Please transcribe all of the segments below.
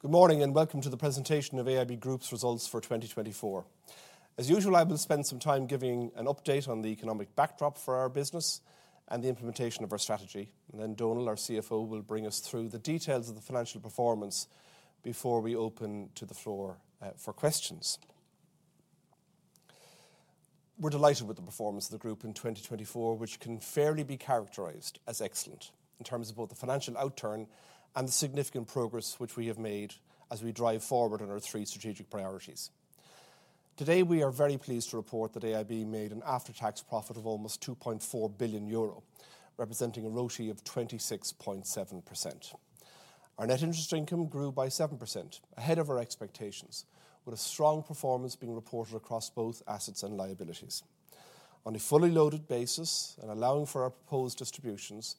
Good morning and Welcome To The Presentation of AIB Group's Results For 2024. As usual, I will spend some time giving an update on the economic backdrop for our business and the implementation of our strategy, and then Donal, our CFO, will bring us through the details of the financial performance before we open to the floor for questions. We're delighted with the performance of the Group in 2024, which can fairly be characterized as excellent in terms of both the financial outturn and the significant progress which we have made as we drive forward on our three strategic priorities. Today, we are very pleased to report that AIB made an after-tax profit of almost 2.4 billion euro, representing a RoTE of 26.7%. Our net interest income grew by 7%, ahead of our expectations, with a strong performance being reported across both assets and liabilities. On a fully loaded basis and allowing for our proposed distributions,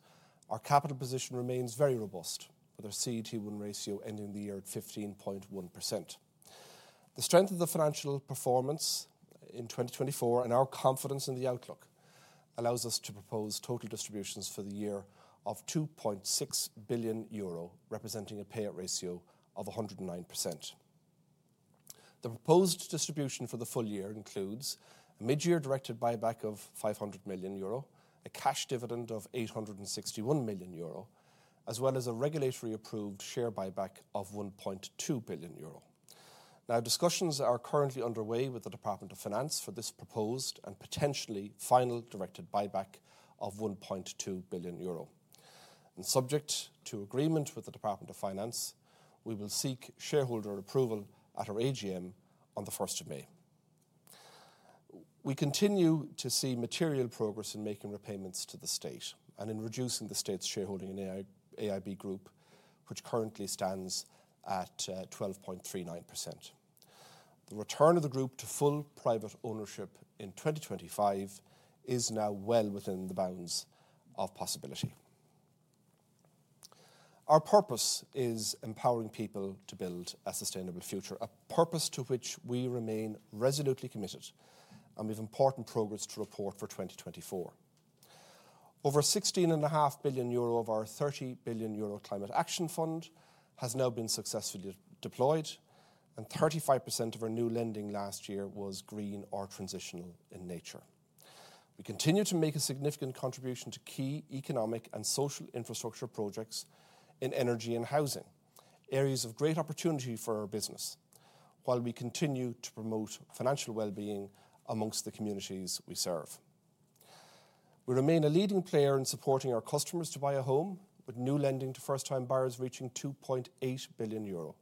our capital position remains very robust, with our CET1 ratio ending the year at 15.1%. The strength of the financial performance in 2024 and our confidence in the outlook allows us to propose total distributions for the year of 2.6 billion euro, representing a payout ratio of 109%. The proposed distribution for the full year includes a mid-year directed buyback of 500 million euro, a cash dividend of 861 million euro, as well as a regulatory-approved share buyback of 1.2 billion euro. Now, discussions are currently underway with the Department of Finance for this proposed and potentially final directed buyback of EUR 1.2 billion. And subject to agreement with the Department of Finance, we will seek shareholder approval at our AGM on the 1st of May. We continue to see material progress in making repayments to the State and in reducing the State's shareholding in AIB Group, which currently stands at 12.39%. The return of the Group to full private ownership in 2025 is now well within the bounds of possibility. Our purpose is empowering people to build a sustainable future, a purpose to which we remain resolutely committed, and we have important progress to report for 2024. Over 16.5 billion euro of our 30 billion euro Climate Action Fund has now been successfully deployed, and 35% of our new lending last year was green or transitional in nature. We continue to make a significant contribution to key economic and social infrastructure projects in energy and housing, areas of great opportunity for our business, while we continue to promote financial well-being among the communities we serve. We remain a leading player in supporting our customers to buy a home, with new lending to first-time buyers reaching 2.8 billion euro,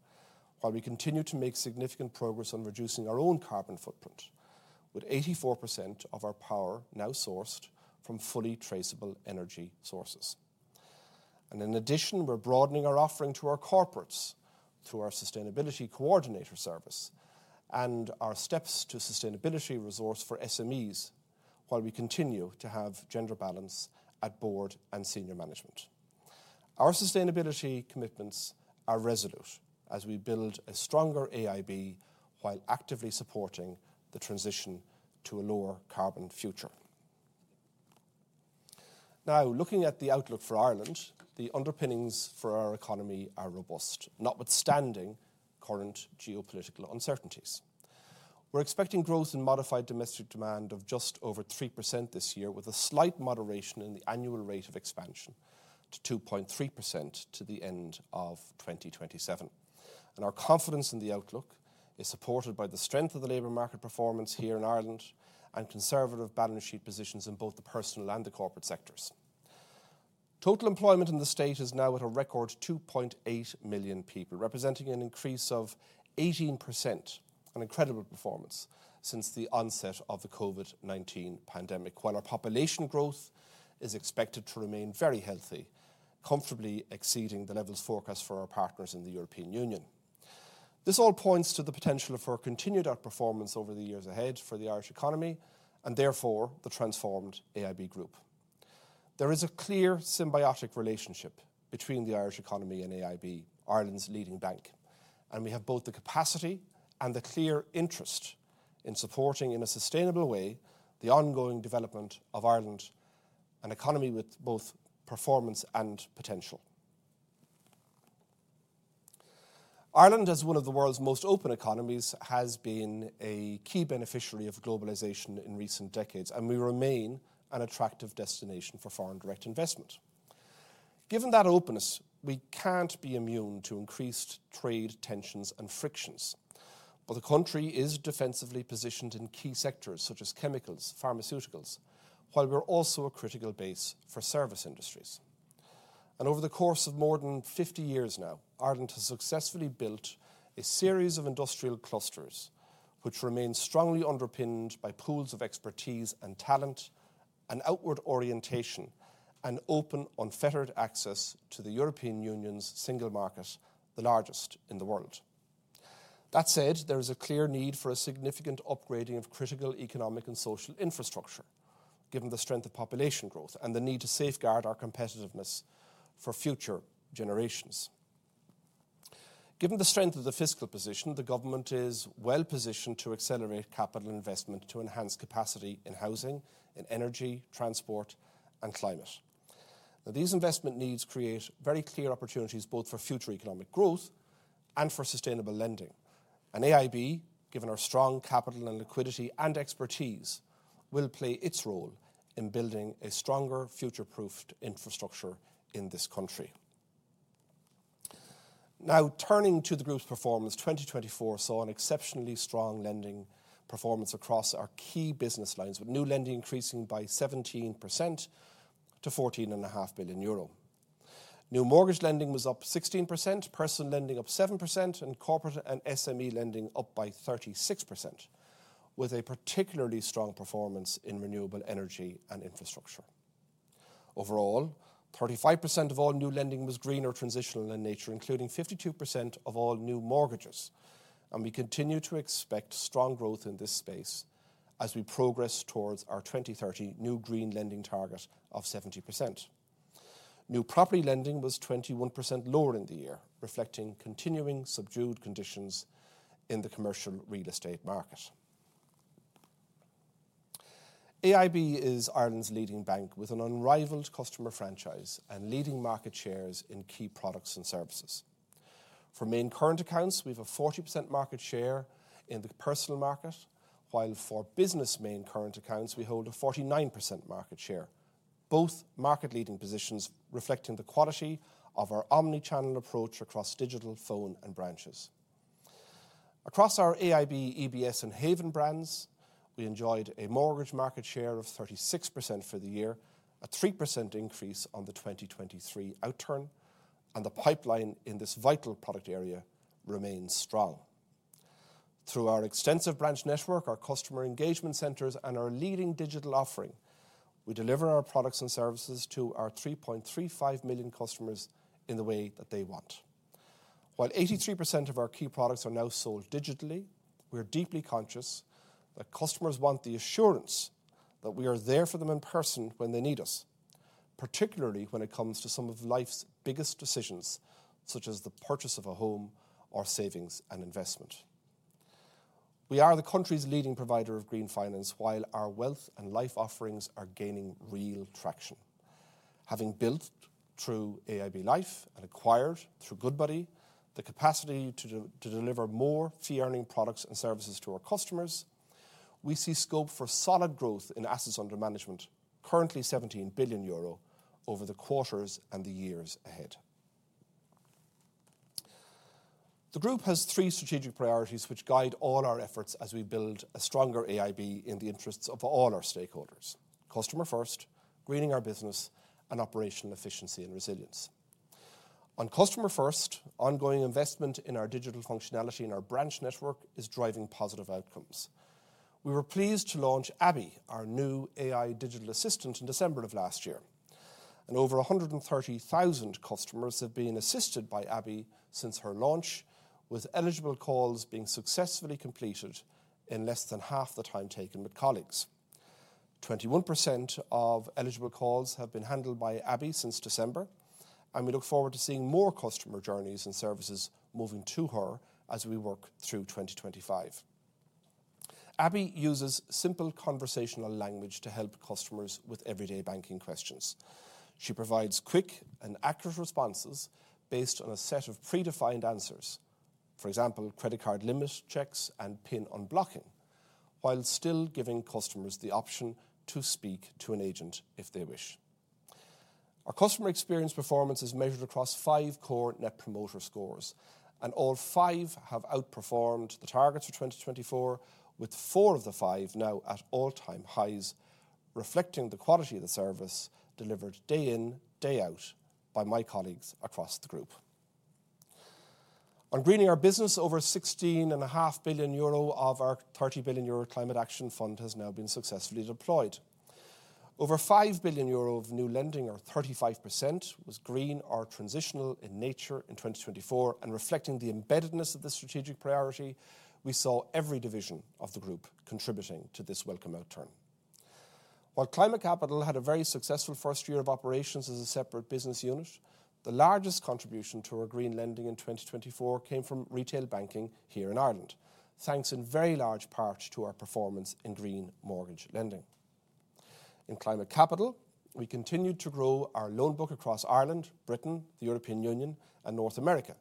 while we continue to make significant progress on reducing our own carbon footprint, with 84% of our power now sourced from fully traceable energy sources. And in addition, we're broadening our offering to our corporates through our sustainability coordinator service and our Steps to Sustainability resource for SMEs, while we continue to have gender balance at board and senior management. Our sustainability commitments are resolute as we build a stronger AIB while actively supporting the transition to a lower carbon future. Now, looking at the outlook for Ireland, the underpinnings for our economy are robust, notwithstanding current geopolitical uncertainties. We're expecting growth in Modified Domestic Demand of just over 3% this year, with a slight moderation in the annual rate of expansion to 2.3% to the end of 2027, and our confidence in the outlook is supported by the strength of the labor market performance here in Ireland and conservative balance sheet positions in both the personal and the corporate sectors. Total employment in the state is now at a record 2.8 million people, representing an increase of 18%, an incredible performance since the onset of the COVID-19 pandemic, while our population growth is expected to remain very healthy, comfortably exceeding the levels forecast for our partners in the European Union. This all points to the potential for continued outperformance over the years ahead for the Irish economy and therefore the transformed AIB Group. There is a clear symbiotic relationship between the Irish economy and AIB, Ireland's leading bank, and we have both the capacity and the clear interest in supporting in a sustainable way the ongoing development of Ireland, an economy with both performance and potential. Ireland, as one of the world's most open economies, has been a key beneficiary of globalization in recent decades, and we remain an attractive destination for foreign direct investment. Given that openness, we can't be immune to increased trade tensions and frictions. But the country is defensively positioned in key sectors such as chemicals, pharmaceuticals, while we're also a critical base for service industries. And over the course of more than 50 years now, Ireland has successfully built a series of industrial clusters, which remain strongly underpinned by pools of expertise and talent, an outward orientation, and open unfettered access to the European Union's single market, the largest in the world. That said, there is a clear need for a significant upgrading of critical economic and social infrastructure, given the strength of population growth and the need to safeguard our competitiveness for future generations. Given the strength of the fiscal position, the government is well positioned to accelerate capital investment to enhance capacity in housing, in energy, transport, and climate. Now, these investment needs create very clear opportunities both for future economic growth and for sustainable lending. And AIB, given our strong capital and liquidity and expertise, will play its role in building a stronger future-proofed infrastructure in this country. Now, turning to the Group's performance, 2024 saw an exceptionally strong lending performance across our key business lines, with new lending increasing by 17% to 14.5 billion euro. New mortgage lending was up 16%, personal lending up 7%, and corporate and SME lending up by 36%, with a particularly strong performance in renewable energy and infrastructure. Overall, 35% of all new lending was green or transitional in nature, including 52% of all new mortgages. And we continue to expect strong growth in this space as we progress towards our 2030 new green lending target of 70%. New property lending was 21% lower in the year, reflecting continuing subdued conditions in the commercial real estate market. AIB is Ireland's leading bank with an unrivaled customer franchise and leading market shares in key products and services. For main current accounts, we have a 40% market share in the personal market, while for business main current accounts, we hold a 49% market share, both market-leading positions, reflecting the quality of our omnichannel approach across digital, phone, and branches. Across our AIB, EBS, and Haven brands, we enjoyed a mortgage market share of 36% for the year, a 3% increase on the 2023 outturn, and the pipeline in this vital product area remains strong. Through our extensive branch network, our customer engagement centers, and our leading digital offering, we deliver our products and services to our 3.35 million customers in the way that they want. While 83% of our key products are now sold digitally, we are deeply conscious that customers want the assurance that we are there for them in person when they need us, particularly when it comes to some of life's biggest decisions, such as the purchase of a home or savings and investment. We are the country's leading provider of green finance, while our wealth and life offerings are gaining real traction. Having built through AIB Life and acquired through Goodbody the capacity to deliver more fee-earning products and services to our customers, we see scope for solid growth in assets under management, currently 17 billion euro over the quarters and the years ahead. The Group has three strategic priorities which guide all our efforts as we build a stronger AIB in the interests of all our stakeholders: Customer First, greening our business, and operational efficiency and resilience. On Customer First, ongoing investment in our digital functionality and our branch network is driving positive outcomes. We were pleased to launch Abbie, our new AI digital assistant, in December of last year. Over 130,000 customers have been assisted by Abbie since her launch, with eligible calls being successfully completed in less than half the time taken with colleagues. 21% of eligible calls have been handled by Abbie since December, and we look forward to seeing more customer journeys and services moving to her as we work through 2025. Abbie uses simple conversational language to help customers with everyday banking questions. She provides quick and accurate responses based on a set of predefined answers, for example, credit card limit checks and PIN unblocking, while still giving customers the option to speak to an agent if they wish. Our customer experience performance is measured across five core Net Promoter Scores, and all five have outperformed the targets for 2024, with four of the five now at all-time highs, reflecting the quality of the service delivered day in, day out by my colleagues across the Group. On greening our business, over 16.5 billion euro of our 30 billion euro Climate Action Fund has now been successfully deployed. Over 5 billion euro of new lending, or 35%, was green or transitional in nature in 2024, and reflecting the embeddedness of the strategic priority, we saw every division of the Group contributing to this welcome outturn. While Climate Capital had a very successful first year of operations as a separate business unit, the largest contribution to our green lending in 2024 came from retail banking here in Ireland, thanks in very large part to our performance in green mortgage lending. In Climate Capital, we continue to grow our loan book across Ireland, Britain, the European Union, and North America,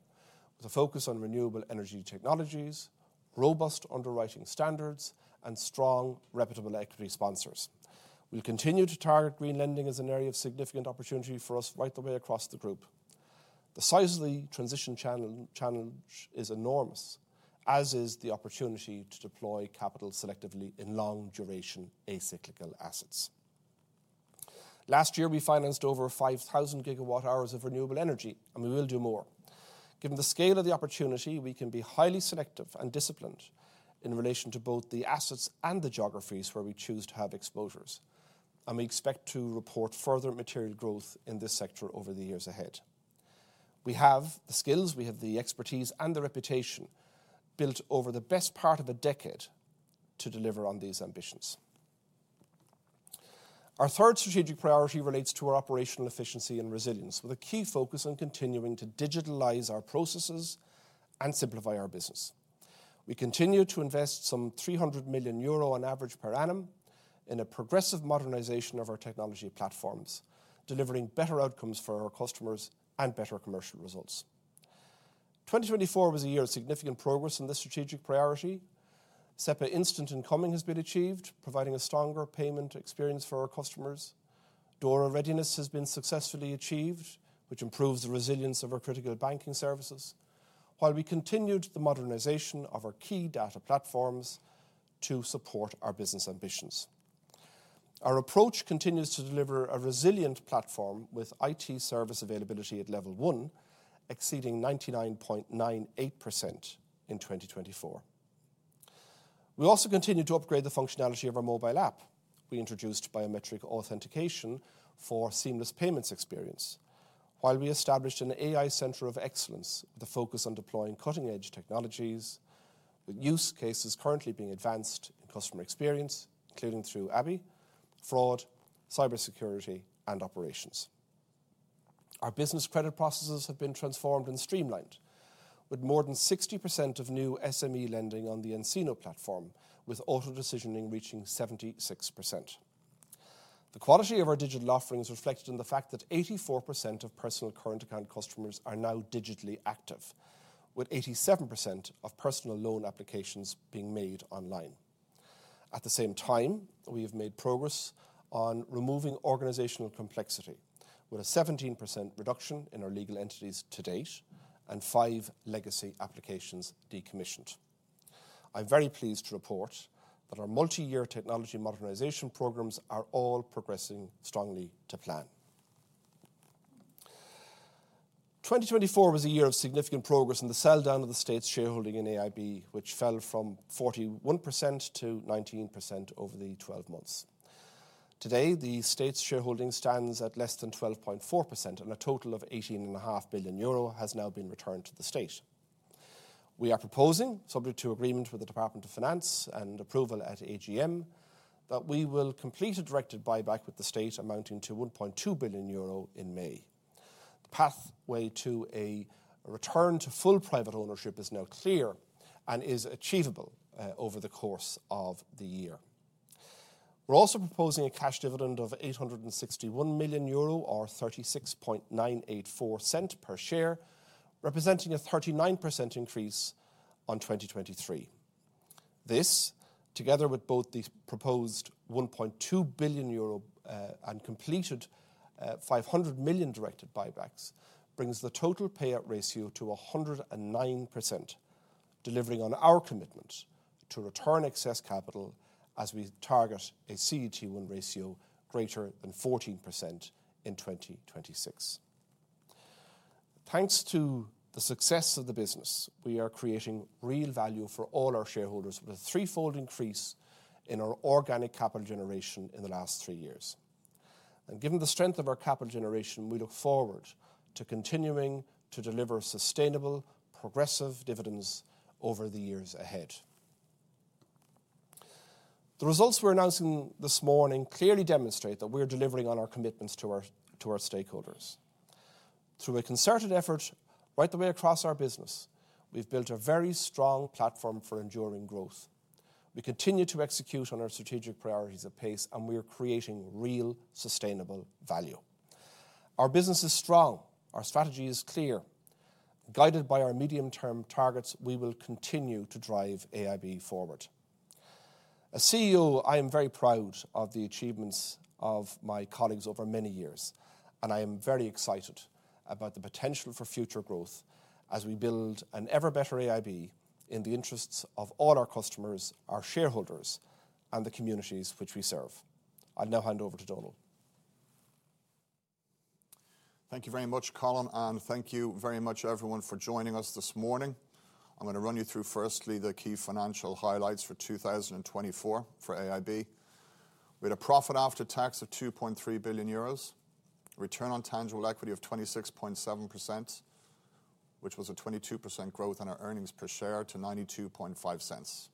with a focus on renewable energy technologies, robust underwriting standards, and strong, reputable equity sponsors. We'll continue to target green lending as an area of significant opportunity for us right the way across the Group. The size of the transition challenge is enormous, as is the opportunity to deploy capital selectively in long-duration acyclical assets. Last year, we financed over 5,000 gigawatt-hours of renewable energy, and we will do more. Given the scale of the opportunity, we can be highly selective and disciplined in relation to both the assets and the geographies where we choose to have exposures, and we expect to report further material growth in this sector over the years ahead. We have the skills, we have the expertise, and the reputation built over the best part of a decade to deliver on these ambitions. Our third strategic priority relates to our operational efficiency and resilience, with a key focus on continuing to digitalize our processes and simplify our business. We continue to invest some 300 million euro on average per annum in a progressive modernization of our technology platforms, delivering better outcomes for our customers and better commercial results. 2024 was a year of significant progress on this strategic priority. SEPA Instant incoming has been achieved, providing a stronger payment experience for our customers. DORA readiness has been successfully achieved, which improves the resilience of our critical banking services, while we continued the modernization of our key data platforms to support our business ambitions. Our approach continues to deliver a resilient platform with IT service availability at level one, exceeding 99.98% in 2024. We also continue to upgrade the functionality of our mobile app. We introduced biometric authentication for seamless payments experience, while we established an AI Center of Excellence with a focus on deploying cutting-edge technologies, with use cases currently being advanced in customer experience, including through Abbie, fraud, cybersecurity, and operations. Our business credit processes have been transformed and streamlined, with more than 60% of new SME lending on the nCino platform, with auto-decisioning reaching 76%. The quality of our digital offerings is reflected in the fact that 84% of personal current account customers are now digitally active, with 87% of personal loan applications being made online. At the same time, we have made progress on removing organizational complexity, with a 17% reduction in our legal entities to date and five legacy applications decommissioned. I'm very pleased to report that our multi-year technology modernization programs are all progressing strongly to plan. 2024 was a year of significant progress in the sell-down of the State's shareholding in AIB, which fell from 41% to 19% over the 12 months. Today, the State's shareholding stands at less than 12.4%, and a total of 18.5 billion euro has now been returned to the state. We are proposing, subject to agreement with the Department of Finance and approval at AGM, that we will complete a directed buyback with the state amounting to 1.2 billion euro in May. The pathway to a return to full private ownership is now clear and is achievable over the course of the year. We're also proposing a cash dividend of 861 million euro, or 36.984 cents per share, representing a 39% increase on 2023. This, together with both the proposed 1.2 billion euro and completed 500 million directed buybacks, brings the total payout ratio to 109%, delivering on our commitment to return excess capital as we target a CET1 ratio greater than 14% in 2026. Thanks to the success of the business, we are creating real value for all our shareholders with a threefold increase in our organic capital generation in the last three years. And given the strength of our capital generation, we look forward to continuing to deliver sustainable, progressive dividends over the years ahead. The results we're announcing this morning clearly demonstrate that we are delivering on our commitments to our stakeholders. Through a concerted effort right the way across our business, we've built a very strong platform for enduring growth. We continue to execute on our strategic priorities at pace, and we are creating real sustainable value. Our business is strong. Our strategy is clear. Guided by our medium-term targets, we will continue to drive AIB forward. As CEO, I am very proud of the achievements of my colleagues over many years, and I am very excited about the potential for future growth as we build an ever-better AIB in the interests of all our customers, our shareholders, and the communities which we serve. I'll now hand over to Donal. Thank you very much, Colin, and thank you very much, everyone, for joining us this morning. I'm going to run you through, firstly, the key financial highlights for 2024 for AIB. We had a profit after tax of 2.3 billion euros, return on tangible equity of 26.7%, which was a 22% growth in our earnings per share to 0.925.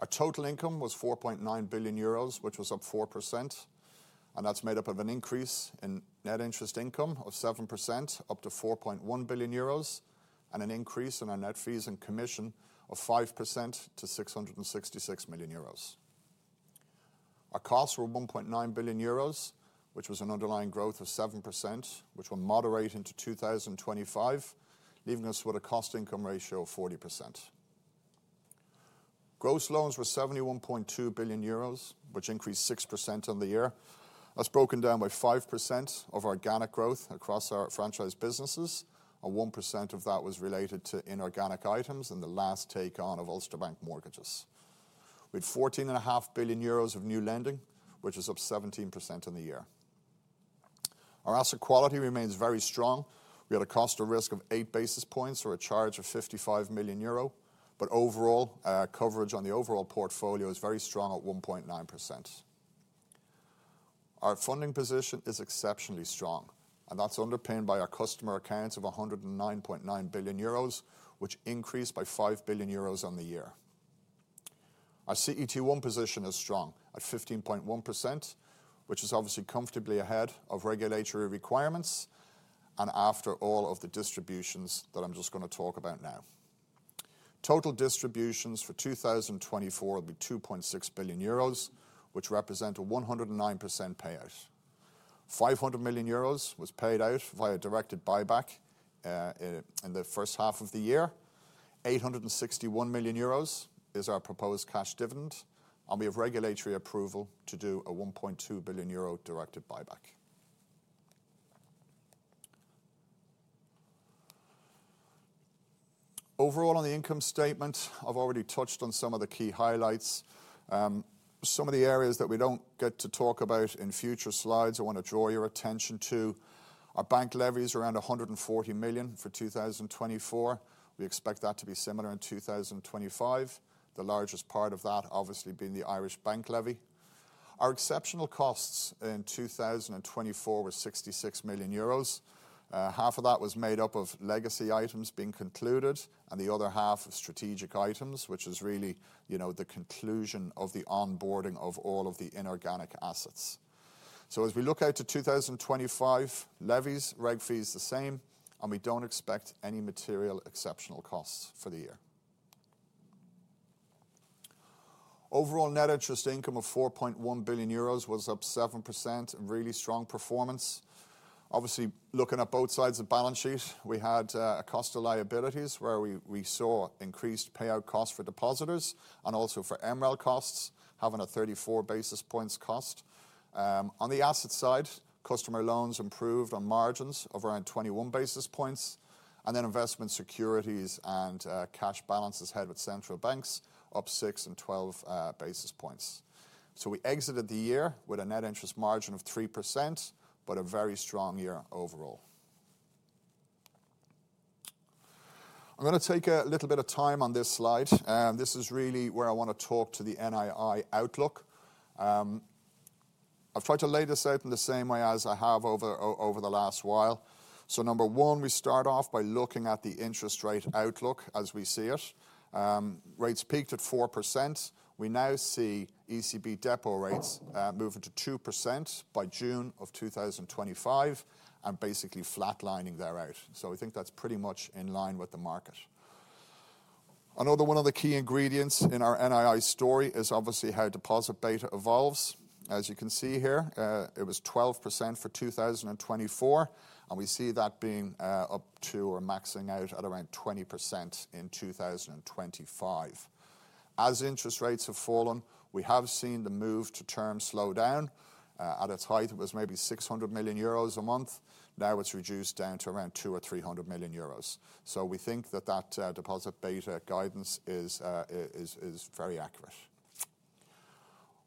Our total income was 4.9 billion euros, which was up 4%, and that's made up of an increase in net interest income of 7% up to 4.1 billion euros and an increase in our net fees and commission of 5% to 666 million euros. Our costs were 1.9 billion euros, which was an underlying growth of 7%, which will moderate into 2025, leaving us with a cost-to-income ratio of 40%. Gross loans were 71.2 billion euros, which increased 6% on the year. That's broken down by 5% of our organic growth across our franchise businesses, and 1% of that was related to inorganic items and the last take-on of Ulster Bank mortgages. We had 14.5 billion euros of new lending, which is up 17% on the year. Our asset quality remains very strong. We had a cost of risk of eight basis points or a charge of 55 million euro, but overall, coverage on the overall portfolio is very strong at 1.9%. Our funding position is exceptionally strong, and that's underpinned by our customer accounts of 109.9 billion euros, which increased by 5 billion euros on the year. Our CET1 position is strong at 15.1%, which is obviously comfortably ahead of regulatory requirements and after all of the distributions that I'm just going to talk about now. Total distributions for 2024 will be 2.6 billion euros, which represent a 109% payout. 500 million was paid out via a directed buyback in the first half of the year. 861 million euros is our proposed cash dividend, and we have regulatory approval to do a 1.2 billion euro directed buyback. Overall, on the income statement, I've already touched on some of the key highlights. Some of the areas that we don't get to talk about in future slides I want to draw your attention to are bank levies around 140 million for 2024. We expect that to be similar in 2025, the largest part of that obviously being the Irish bank levy. Our exceptional costs in 2024 were 66 million euros. Half of that was made up of legacy items being concluded and the other half of strategic items, which is really the conclusion of the onboarding of all of the inorganic assets. So, as we look out to 2025, levies, reg fees the same, and we don't expect any material exceptional costs for the year. Overall, net interest income of 4.1 billion euros was up 7%, really strong performance. Obviously, looking at both sides of the balance sheet, we had a cost of liabilities where we saw increased payout costs for depositors and also for MREL costs having a 34 basis points cost. On the asset side, customer loans improved on margins of around 21 basis points, and then investment securities and cash balances held with central banks up 6 and 12 basis points. So, we exited the year with a net interest margin of 3%, but a very strong year overall. I'm going to take a little bit of time on this slide, and this is really where I want to talk to the NII outlook. I've tried to lay this out in the same way as I have over the last while. So, number one, we start off by looking at the interest rate outlook as we see it. Rates peaked at 4%. We now see ECB deposit rates moving to 2% by June of 2025 and basically flatlining thereafter. So, I think that's pretty much in line with the market. Another one of the key ingredients in our NII story is obviously how deposit beta evolves. As you can see here, it was 12% for 2024, and we see that being up to or maxing out at around 20% in 2025. As interest rates have fallen, we have seen the move to term slow down. At its height, it was maybe 600 million euros a month. Now it's reduced down to around 200 million or 300 million euros. We think that that deposit beta guidance is very accurate.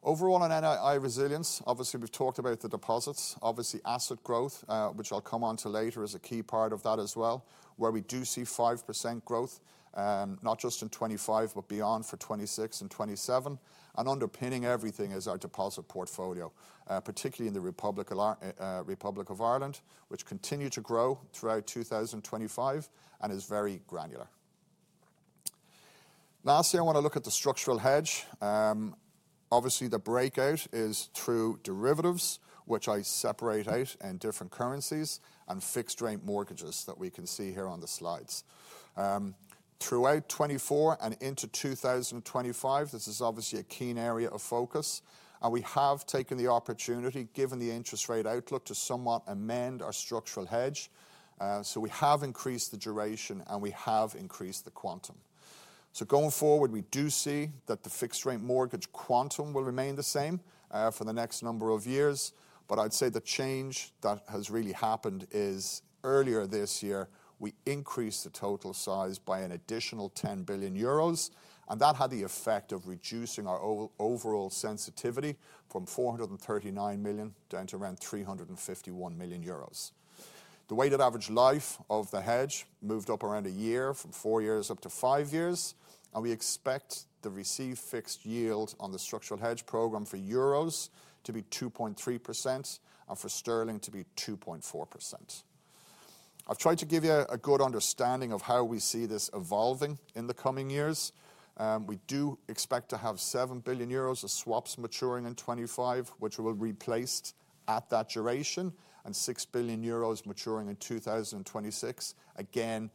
Overall, on NII resilience, obviously we've talked about the deposits. Obviously, asset growth, which I'll come on to later, is a key part of that as well, where we do see 5% growth, not just in 2025, but beyond for 2026 and 2027. Underpinning everything is our deposit portfolio, particularly in the Republic of Ireland, which continues to grow throughout 2025 and is very granular. Lastly, I want to look at the structural hedge. Obviously, the breakout is through derivatives, which I separate out in different currencies and fixed-rate mortgages that we can see here on the slides. Throughout 2024 and into 2025, this is obviously a keen area of focus, and we have taken the opportunity, given the interest rate outlook, to somewhat amend our structural hedge. We have increased the duration and we have increased the quantum. Going forward, we do see that the fixed-rate mortgage quantum will remain the same for the next number of years, but I'd say the change that has really happened is earlier this year, we increased the total size by an additional 10 billion euros, and that had the effect of reducing our overall sensitivity from 439 million down to around 351 million euros. The weighted average life of the hedge moved up around a year from four years up to five years, and we expect the received fixed yield on the structural hedge program for euros to be 2.3% and for sterling to be 2.4%. I've tried to give you a good understanding of how we see this evolving in the coming years. We do expect to have 7 billion euros of swaps maturing in 2025, which will be replaced at that duration, and 6 billion euros maturing in 2026, again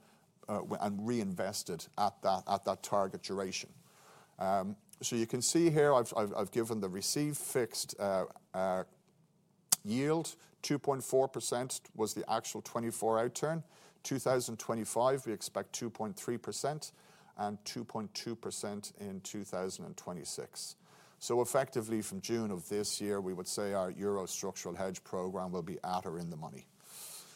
reinvested at that target duration. So, you can see here I've given the received fixed yield. 2.4% was the actual 2024 outturn. 2025, we expect 2.3% and 2.2% in 2026. So, effectively, from June of this year, we would say our euro structural hedge program will be at or in the money.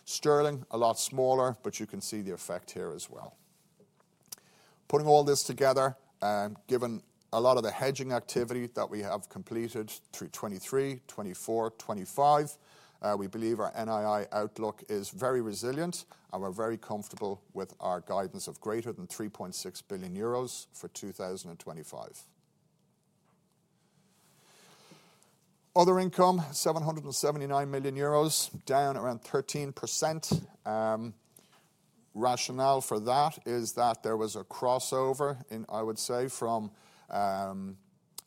Sterling, a lot smaller, but you can see the effect here as well. Putting all this together, given a lot of the hedging activity that we have completed through 2023, 2024, 2025, we believe our NII outlook is very resilient and we're very comfortable with our guidance of greater than 3.6 billion euros for 2025. Other income, 779 million euros, down around 13%. Rationale for that is that there was a crossover in, I would say, from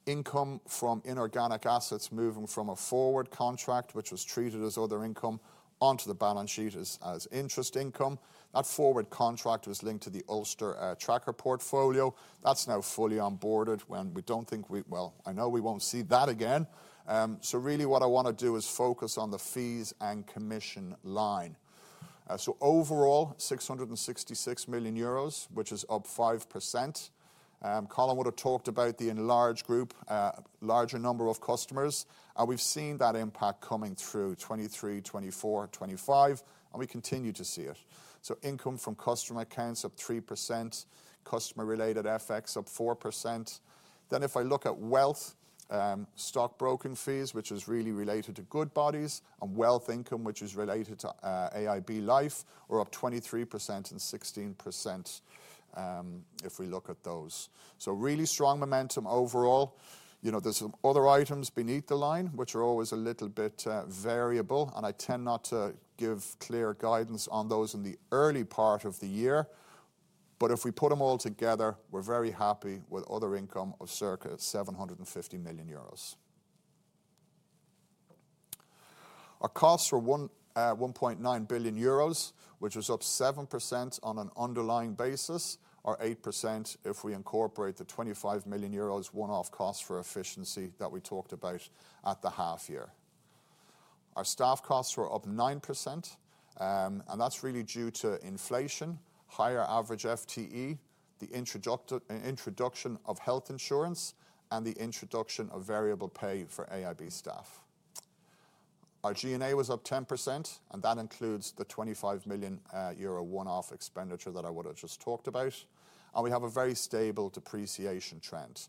income from inorganic assets moving from a forward contract, which was treated as other income, onto the balance sheet as interest income. That forward contract was linked to the Ulster tracker portfolio. That's now fully onboarded. Well, I know we won't see that again. So, really, what I want to do is focus on the fees and commission line. So, overall, 666 million euros, which is up 5%. Colin would have talked about the enlarged group, larger number of customers, and we've seen that impact coming through 2023, 2024, 2025, and we continue to see it. So, income from customer accounts up 3%, customer-related FX up 4%. If I look at wealth, stock broking fees, which is really related to Goodbody, and wealth income, which is related to AIB Life, we're up 23% and 16% if we look at those. So, really strong momentum overall. There's some other items beneath the line, which are always a little bit variable, and I tend not to give clear guidance on those in the early part of the year, but if we put them all together, we're very happy with other income of circa 750 million euros. Our costs were 1.9 billion euros, which was up 7% on an underlying basis, or 8% if we incorporate the 25 million euros one-off cost for efficiency that we talked about at the half year. Our staff costs were up 9%, and that's really due to inflation, higher average FTE, the introduction of health insurance, and the introduction of variable pay for AIB staff. Our G&A was up 10%, and that includes the 25 million euro one-off expenditure that I would have just talked about, and we have a very stable depreciation trend.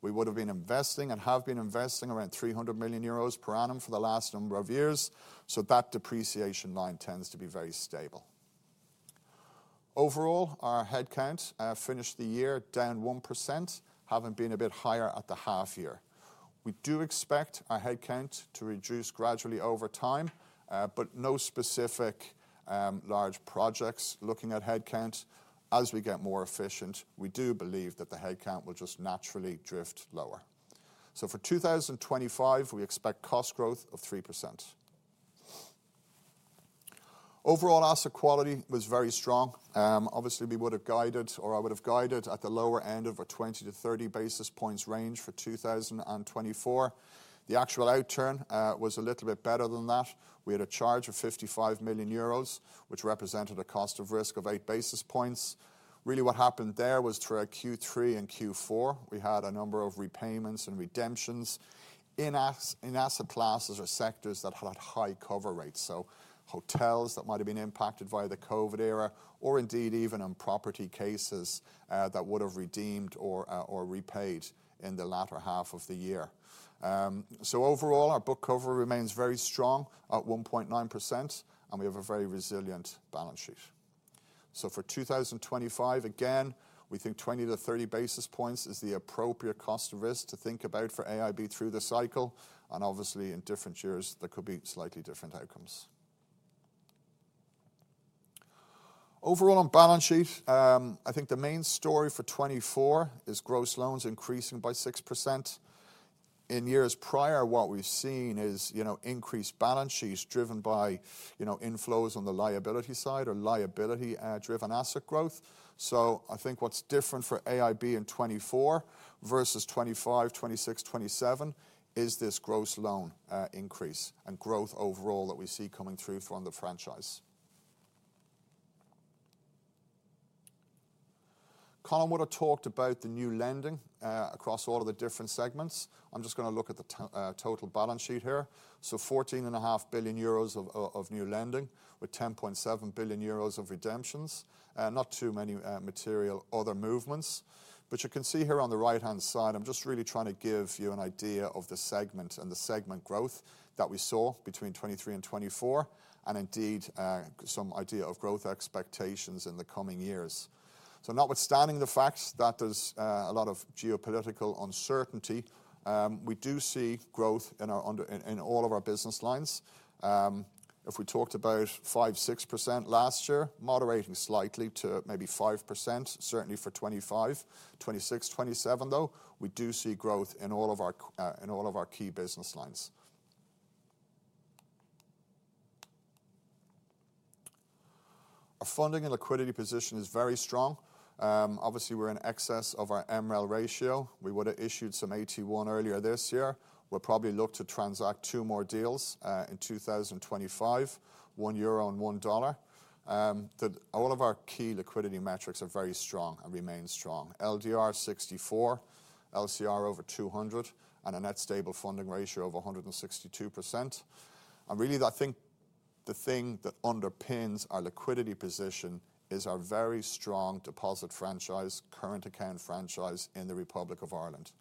We would have been investing and have been investing around 300 million euros per annum for the last number of years, so that depreciation line tends to be very stable. Overall, our headcount finished the year down 1%, having been a bit higher at the half year. We do expect our headcount to reduce gradually over time, but no specific large projects looking at headcount. As we get more efficient, we do believe that the headcount will just naturally drift lower. For 2025, we expect cost growth of 3%. Overall, asset quality was very strong. Obviously, we would have guided, or I would have guided, at the lower end of a 20-30 basis points range for 2024. The actual outturn was a little bit better than that. We had a charge of 55 million euros, which represented a cost of risk of eight basis points. Really, what happened there was through Q3 and Q4, we had a number of repayments and redemptions in asset classes or sectors that had high cover rates, so hotels that might have been impacted by the COVID era, or indeed even on property cases that would have redeemed or repaid in the latter half of the year. So, overall, our book cover remains very strong at 1.9%, and we have a very resilient balance sheet. So, for 2025, again, we think 20-30 basis points is the appropriate cost of risk to think about for AIB through the cycle, and obviously, in different years, there could be slightly different outcomes. Overall, on balance sheet, I think the main story for 2024 is gross loans increasing by 6%. In years prior, what we've seen is increased balance sheets driven by inflows on the liability side or liability-driven asset growth. So, I think what's different for AIB in 2024 versus 2025, 2026, 2027 is this gross loan increase and growth overall that we see coming through from the franchise. Colin would have talked about the new lending across all of the different segments. I'm just going to look at the total balance sheet here. So, 14.5 billion euros of new lending with 10.7 billion euros of redemptions. Not too many material other movements, but you can see here on the right-hand side. I'm just really trying to give you an idea of the segment and the segment growth that we saw between 2023 and 2024, and indeed some idea of growth expectations in the coming years. So, notwithstanding the fact that there's a lot of geopolitical uncertainty, we do see growth in all of our business lines. If we talked about 5%, 6% last year, moderating slightly to maybe 5%, certainly for 2025, 2026, 2027, though, we do see growth in all of our key business lines. Our funding and liquidity position is very strong. Obviously, we're in excess of our MREL ratio. We would have issued some Tier 1 earlier this year. We'll probably look to transact two more deals in 2025, 1 euro and $1. All of our key liquidity metrics are very strong and remain strong. LDR 64, LCR over 200, and a net stable funding ratio of 162%. And really, I think the thing that underpins our liquidity position is our very strong deposit franchise, current account franchise in the Republic of Ireland.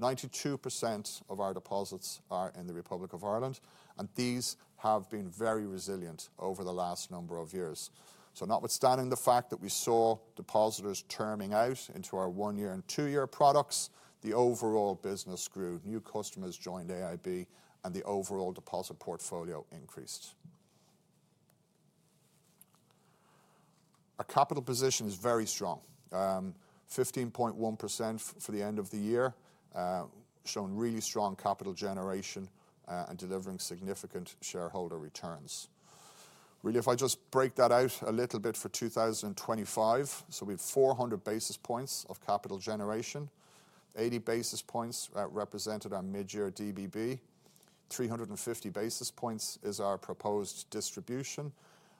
92% of our deposits are in the Republic of Ireland, and these have been very resilient over the last number of years. So, notwithstanding the fact that we saw depositors terming out into our one-year and two-year products, the overall business grew. New customers joined AIB, and the overall deposit portfolio increased. Our capital position is very strong. 15.1% for the end of the year, showing really strong capital generation and delivering significant shareholder returns. Really, if I just break that out a little bit for 2025, so we have 400 basis points of capital generation. 80 basis points represented our mid-year DBB. 350 basis points is our proposed distribution,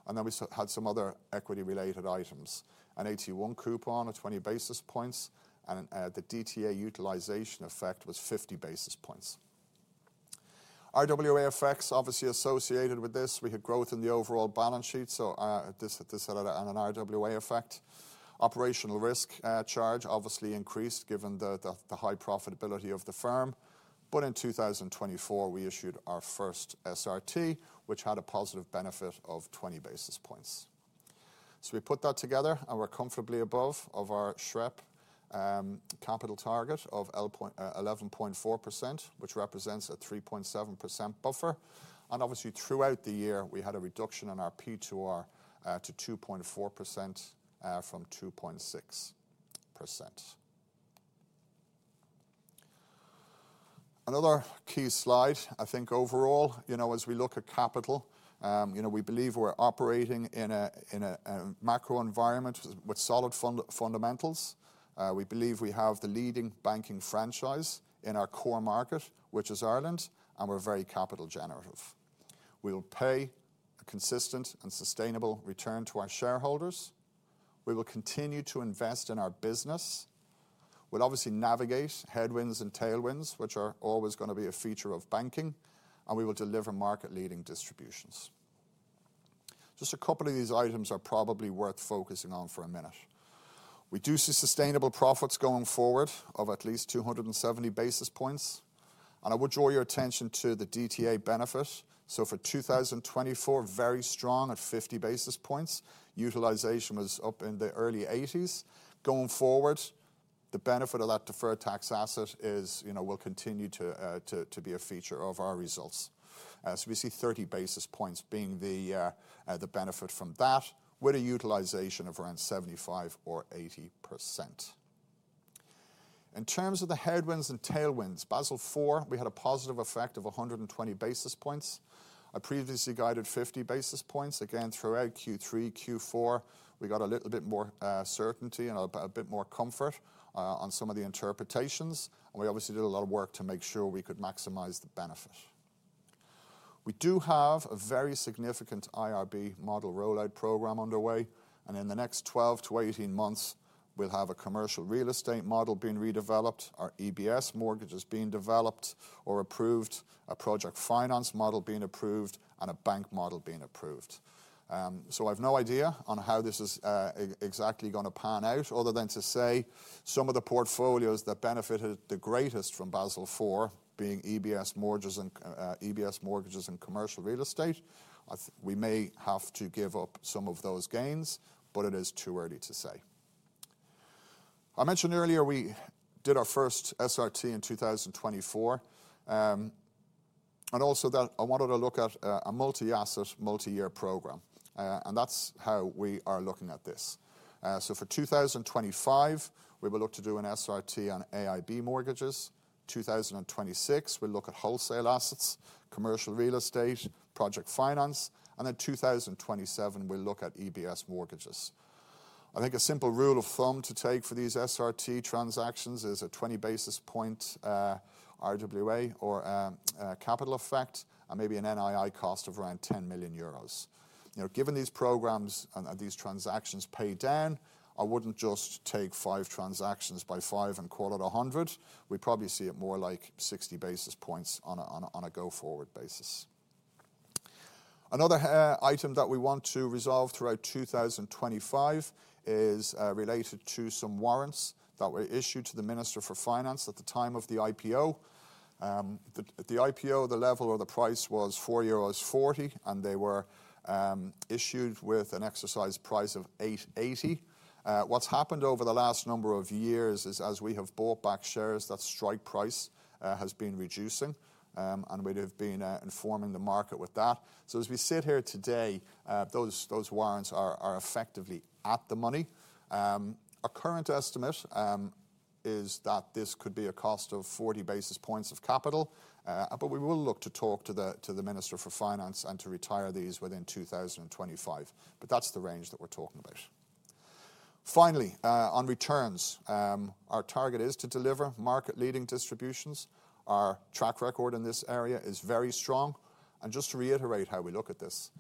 and then we had some other equity-related items. An 8.1 coupon of 20 basis points, and the DTA utilization effect was 50 basis points. RWA effects, obviously associated with this, we had growth in the overall balance sheet, so this had an RWA effect. Operational risk charge obviously increased given the high profitability of the firm, but in 2024, we issued our first SRT, which had a positive benefit of 20 basis points, so we put that together, and we're comfortably above our SREP capital target of 11.4%, which represents a 3.7% buffer, and obviously, throughout the year, we had a reduction in our P2R to 2.4% from 2.6%. Another key slide, I think overall, as we look at capital, we believe we're operating in a macro environment with solid fundamentals. We believe we have the leading banking franchise in our core market, which is Ireland, and we're very capital generative. We will pay a consistent and sustainable return to our shareholders. We will continue to invest in our business. We'll obviously navigate headwinds and tailwinds, which are always going to be a feature of banking, and we will deliver market-leading distributions. Just a couple of these items are probably worth focusing on for a minute. We do see sustainable profits going forward of at least 270 basis points, and I would draw your attention to the DTA benefit. So, for 2024, very strong at 50 basis points. Utilization was up in the early 80s. Going forward, the benefit of that deferred tax asset will continue to be a feature of our results. We see 30 basis points being the benefit from that, with a utilization of around 75% or 80%. In terms of the headwinds and tailwinds, Basel IV, we had a positive effect of 120 basis points. I previously guided 50 basis points. Again, throughout Q3, Q4, we got a little bit more certainty and a bit more comfort on some of the interpretations, and we obviously did a lot of work to make sure we could maximize the benefit. We do have a very significant IRB model rollout program underway, and in the next 12 to 18 months, we'll have a commercial real estate model being redeveloped, our EBS mortgages being developed or approved, a project finance model being approved, and a bank model being approved. I have no idea on how this is exactly going to pan out other than to say some of the portfolios that benefited the greatest from Basel IV, being EBS mortgages and commercial real estate. We may have to give up some of those gains, but it is too early to say. I mentioned earlier we did our first SRT in 2024, and also that I wanted to look at a multi-asset multi-year program, and that's how we are looking at this. For 2025, we will look to do an SRT on AIB mortgages. 2026, we'll look at wholesale assets, commercial real estate, project finance, and then 2027, we'll look at EBS mortgages. I think a simple rule of thumb to take for these SRT transactions is a 20 basis points RWA or capital effect and maybe an NII cost of around € 10 million. Given these programs and these transactions pay down, I wouldn't just take five transactions by five and call it 100. We probably see it more like 60 basis points on a go forward basis. Another item that we want to resolve throughout 2025 is related to some warrants that were issued to the Minister for Finance at the time of the IPO. At the IPO, the level of the price was 4.40 euros, and they were issued with an exercise price of 8.80. What's happened over the last number of years is, as we have bought back shares, that strike price has been reducing, and we have been informing the market with that. So, as we sit here today, those warrants are effectively at the money. Our current estimate is that this could be a cost of 40 basis points of capital, but we will look to talk to the Minister for Finance and to retire these within 2025. But that's the range that we're talking about. Finally, on returns, our target is to deliver market-leading distributions. Our track record in this area is very strong. And just to reiterate how we look at this,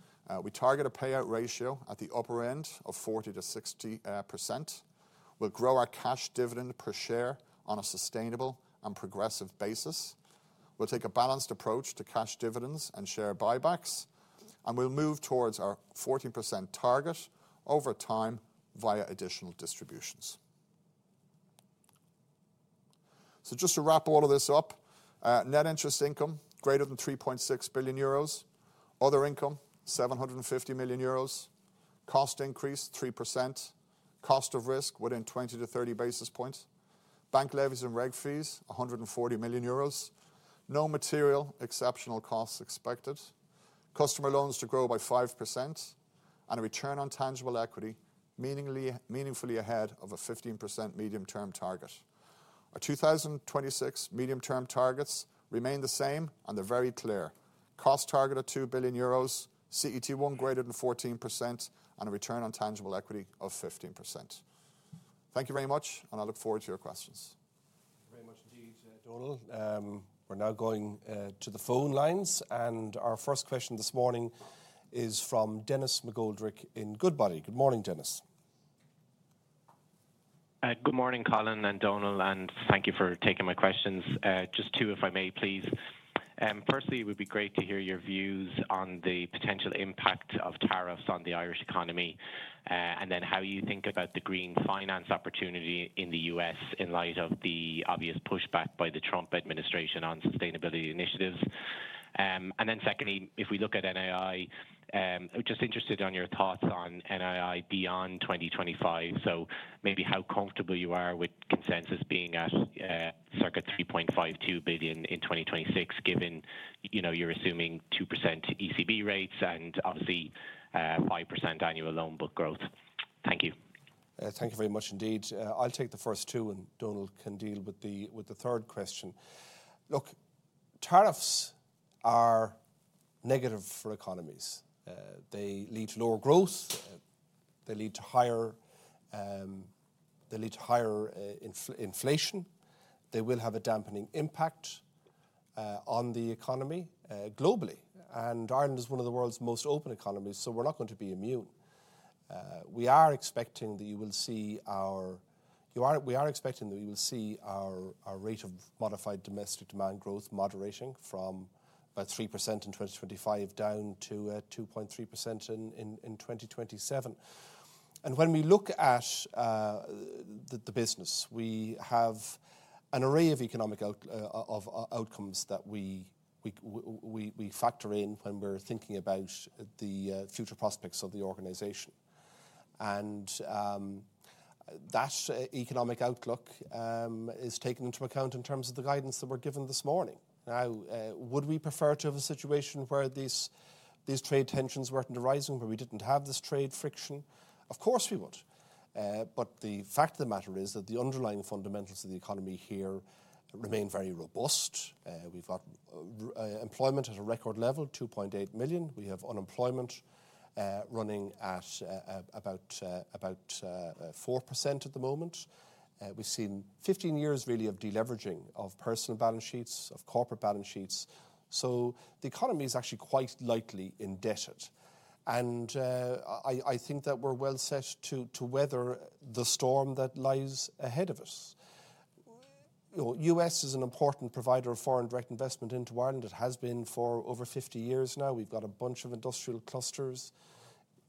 we target a payout ratio at the upper end of 40%-60%. We'll grow our cash dividend per share on a sustainable and progressive basis. We'll take a balanced approach to cash dividends and share buybacks, and we'll move towards our 40% target over time via additional distributions. So, just to wrap all of this up, net interest income greater than 3.6 billion euros, other income 750 million euros, cost increase 3%, cost of risk within 20-30 basis points, bank levies and reg fees 140 million euros, no material exceptional costs expected, customer loans to grow by 5%, and a return on tangible equity meaningfully ahead of a 15% medium-term target. Our 2026 medium-term targets remain the same and they're very clear. Cost target of 2 billion euros, CET1 greater than 14%, and a return on tangible equity of 15%. Thank you very much, and I look forward to your questions. Thank you very much indeed, Donal. We're now going to the phone lines, and our first question this morning is from Denis McGoldrick in Goodbody. Good morning, Denis. Good morning, Colin and Donal, and thank you for taking my questions. Just two, if I may, please. Firstly, it would be great to hear your views on the potential impact of tariffs on the Irish economy and then how you think about the green finance opportunity in the U.S. in light of the obvious pushback by the Trump administration on sustainability initiatives. And then secondly, if we look at NII, I'm just interested in your thoughts on NII beyond 2025, so maybe how comfortable you are with consensus being at circa 3.52 billion in 2026, given you're assuming 2% ECB rates and obviously 5% annual loan book growth.? Thank you. Thank you very much indeed. I'll take the first two, and Donal can deal with the third question. Look, tariffs are negative for economies. They lead to lower growth, they lead to higher inflation, they will have a dampening impact on the economy globally, and Ireland is one of the world's most open economies, so we're not going to be immune. We are expecting that we will see our rate of Modified Domestic Demand growth moderating from about 3% in 2025 down to 2.3% in 2027. And when we look at the business, we have an array of economic outcomes that we factor in when we're thinking about the future prospects of the organization. And that economic outlook is taken into account in terms of the guidance that we're given this morning. Now, would we prefer to have a situation where these trade tensions weren't arising, where we didn't have this trade friction? Of course we would. But the fact of the matter is that the underlying fundamentals of the economy here remain very robust. We've got employment at a record level, 2.8 million. We have unemployment running at about 4% at the moment. We've seen 15 years really of deleveraging of personal balance sheets, of corporate balance sheets. So, the economy is actually quite lightly indebted, and I think that we're well set to weather the storm that lies ahead of us. The U.S. is an important provider of foreign direct investment into Ireland. It has been for over 50 years now. We've got a bunch of industrial clusters,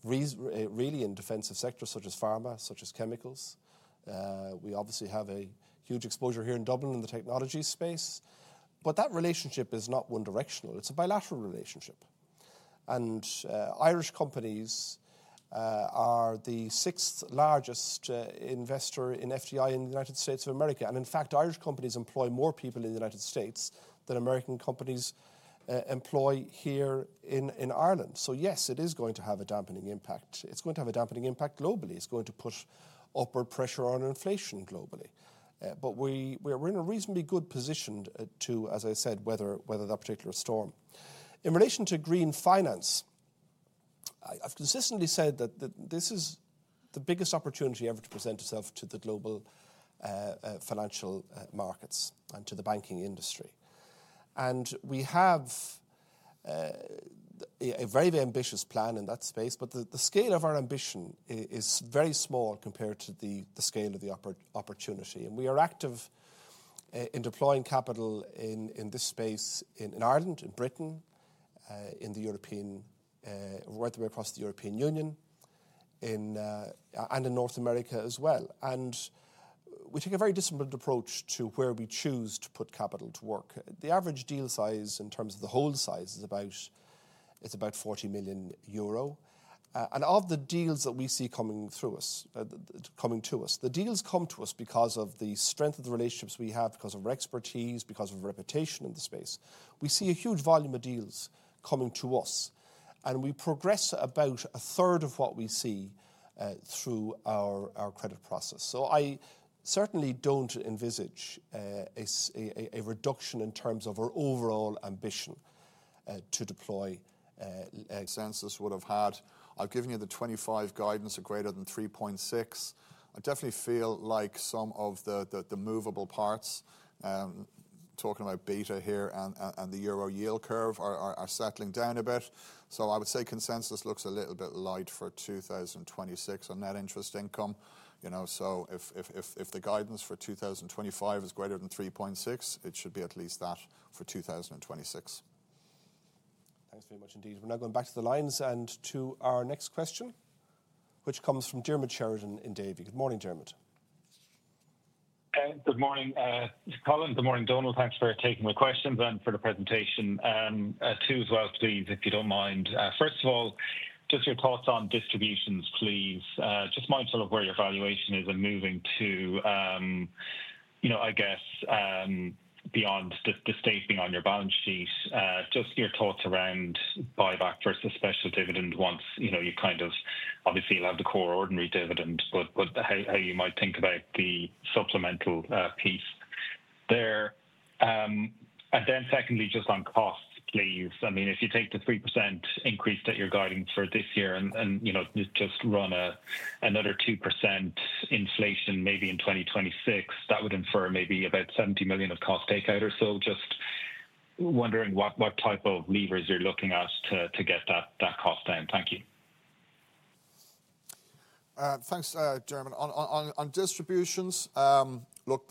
really in defensive sectors such as pharma, such as chemicals. We obviously have a huge exposure here in Dublin in the technology space, but that relationship is not one-directional. It's a bilateral relationship. Irish companies are the sixth largest investor in FDI in the United States of America. In fact, Irish companies employ more people in the United States than American companies employ here in Ireland. Yes, it is going to have a dampening impact. It's going to have a dampening impact globally. It's going to put upward pressure on inflation globally. We're in a reasonably good position to, as I said, weather that particular storm. In relation to green finance, I've consistently said that this is the biggest opportunity ever to present itself to the global financial markets and to the banking industry. We have a very ambitious plan in that space, but the scale of our ambition is very small compared to the scale of the opportunity. We are active in deploying capital in this space in Ireland, in Britain, in Europe, right the way across the European Union, and in North America as well. We take a very disciplined approach to where we choose to put capital to work. The average deal size in terms of the hold size is about 40 million euro. Of the deals that we see coming through us, coming to us, the deals come to us because of the strength of the relationships we have, because of our expertise, because of reputation in the space. We see a huge volume of deals coming to us, and we progress about a third of what we see through our credit process. So, I certainly don't envisage a reduction in terms of our overall ambition to deploy. Consensus would have had. I've given you the 25 guidance at greater than 3.6. I definitely feel like some of the movable parts, talking about beta here and the euro yield curve, are settling down a bit. So, I would say consensus looks a little bit light for 2026 on net interest income. So, if the guidance for 2025 is greater than 3.6, it should be at least that for 2026. Thanks very much indeed. We're now going back to the lines and to our next question, which comes from Diarmaid Sheridan in Davy. Good morning, Diarmaid. Good morning, Colin. Good morning, Donal. Thanks for taking my questions and for the presentation. Two as well, please, if you don't mind. First of all, just your thoughts on distributions, please. Just mindful of where your valuation is and moving to, I guess, beyond the statement on your balance sheet. Just your thoughts around buyback versus special dividend once you kind of obviously have the core ordinary dividend, but how you might think about the supplemental piece there. And then secondly, just on costs, please. I mean, if you take the 3% increase that you're guiding for this year and just run another 2% inflation maybe in 2026, that would infer maybe about 70 million of cost takeout or so. Just wondering what type of levers you're looking at to get that cost down? Thank you. Thanks, Diarmuid. On distributions, look,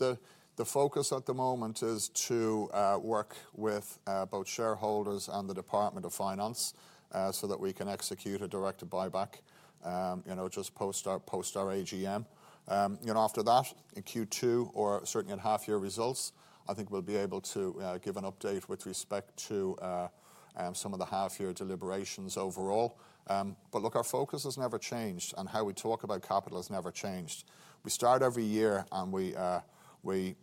the focus at the moment is to work with both shareholders and the Department of Finance so that we can execute a direct buyback, just post our AGM. After that, in Q2 or certainly in half-year results, I think we'll be able to give an update with respect to some of the half-year deliberations overall. But look, our focus has never changed, and how we talk about capital has never changed. We start every year, and we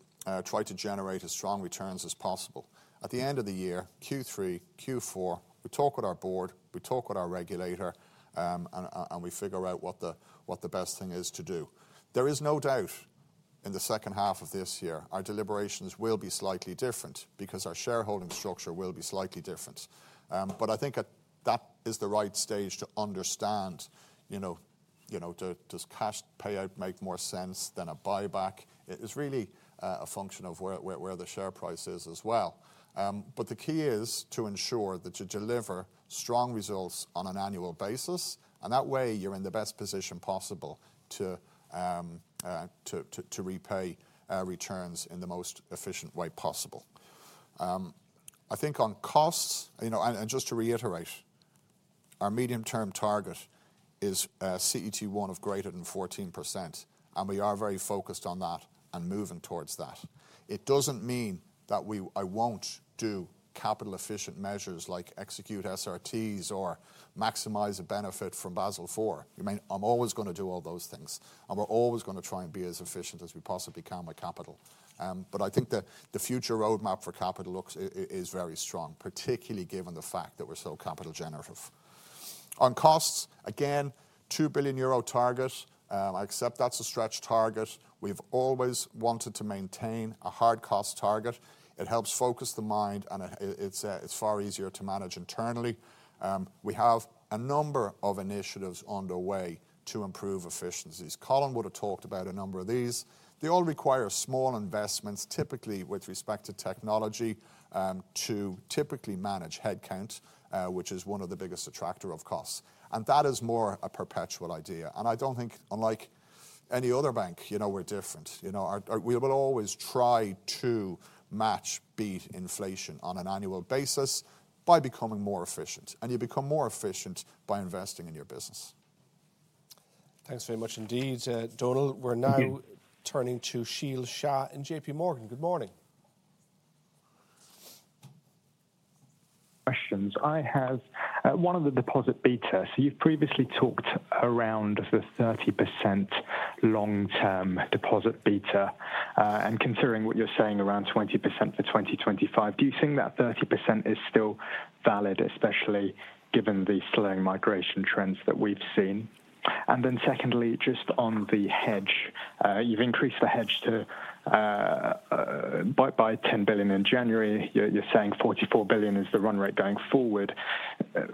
try to generate as strong returns as possible. At the end of the year, Q3, Q4, we talk with our board, we talk with our regulator, and we figure out what the best thing is to do. There is no doubt in the second half of this year our deliberations will be slightly different because our shareholding structure will be slightly different. But I think that is the right stage to understand, does cash payout make more sense than a buyback? It is really a function of where the share price is as well. But the key is to ensure that you deliver strong results on an annual basis, and that way you're in the best position possible to repay returns in the most efficient way possible. I think on costs, and just to reiterate, our medium-term target is CET1 of greater than 14%, and we are very focused on that and moving towards that. It doesn't mean that I won't do capital-efficient measures like execute SRTs or maximize the benefit from Basel IV. I mean, I'm always going to do all those things, and we're always going to try and be as efficient as we possibly can with capital. But I think that the future roadmap for capital looks very strong, particularly given the fact that we're so capital-generative. On costs, again, €2 billion target. I accept that's a stretch target. We've always wanted to maintain a hard cost target. It helps focus the mind, and it's far easier to manage internally. We have a number of initiatives on the way to improve efficiencies. Colin would have talked about a number of these. They all require small investments, typically with respect to technology, to typically manage headcount, which is one of the biggest attractors of costs. And that is more a perpetual idea. And I don't think, unlike any other bank, we're different. We will always try to match beat inflation on an annual basis by becoming more efficient. And you become more efficient by investing in your business. Thanks very much indeed, Donal. We're now turning to Sheel Shah in J.P. Morgan. Good morning. Questions. I have one on the deposit beta. So, you've previously talked around the 30% long-term deposit beta. And considering what you're saying around 20% for 2025, do you think that 30% is still valid, especially given the slowing migration trends that we've seen? And then secondly, just on the hedge, you've increased the hedge by 10 billion in January. You're saying 44 billion is the run rate going forward.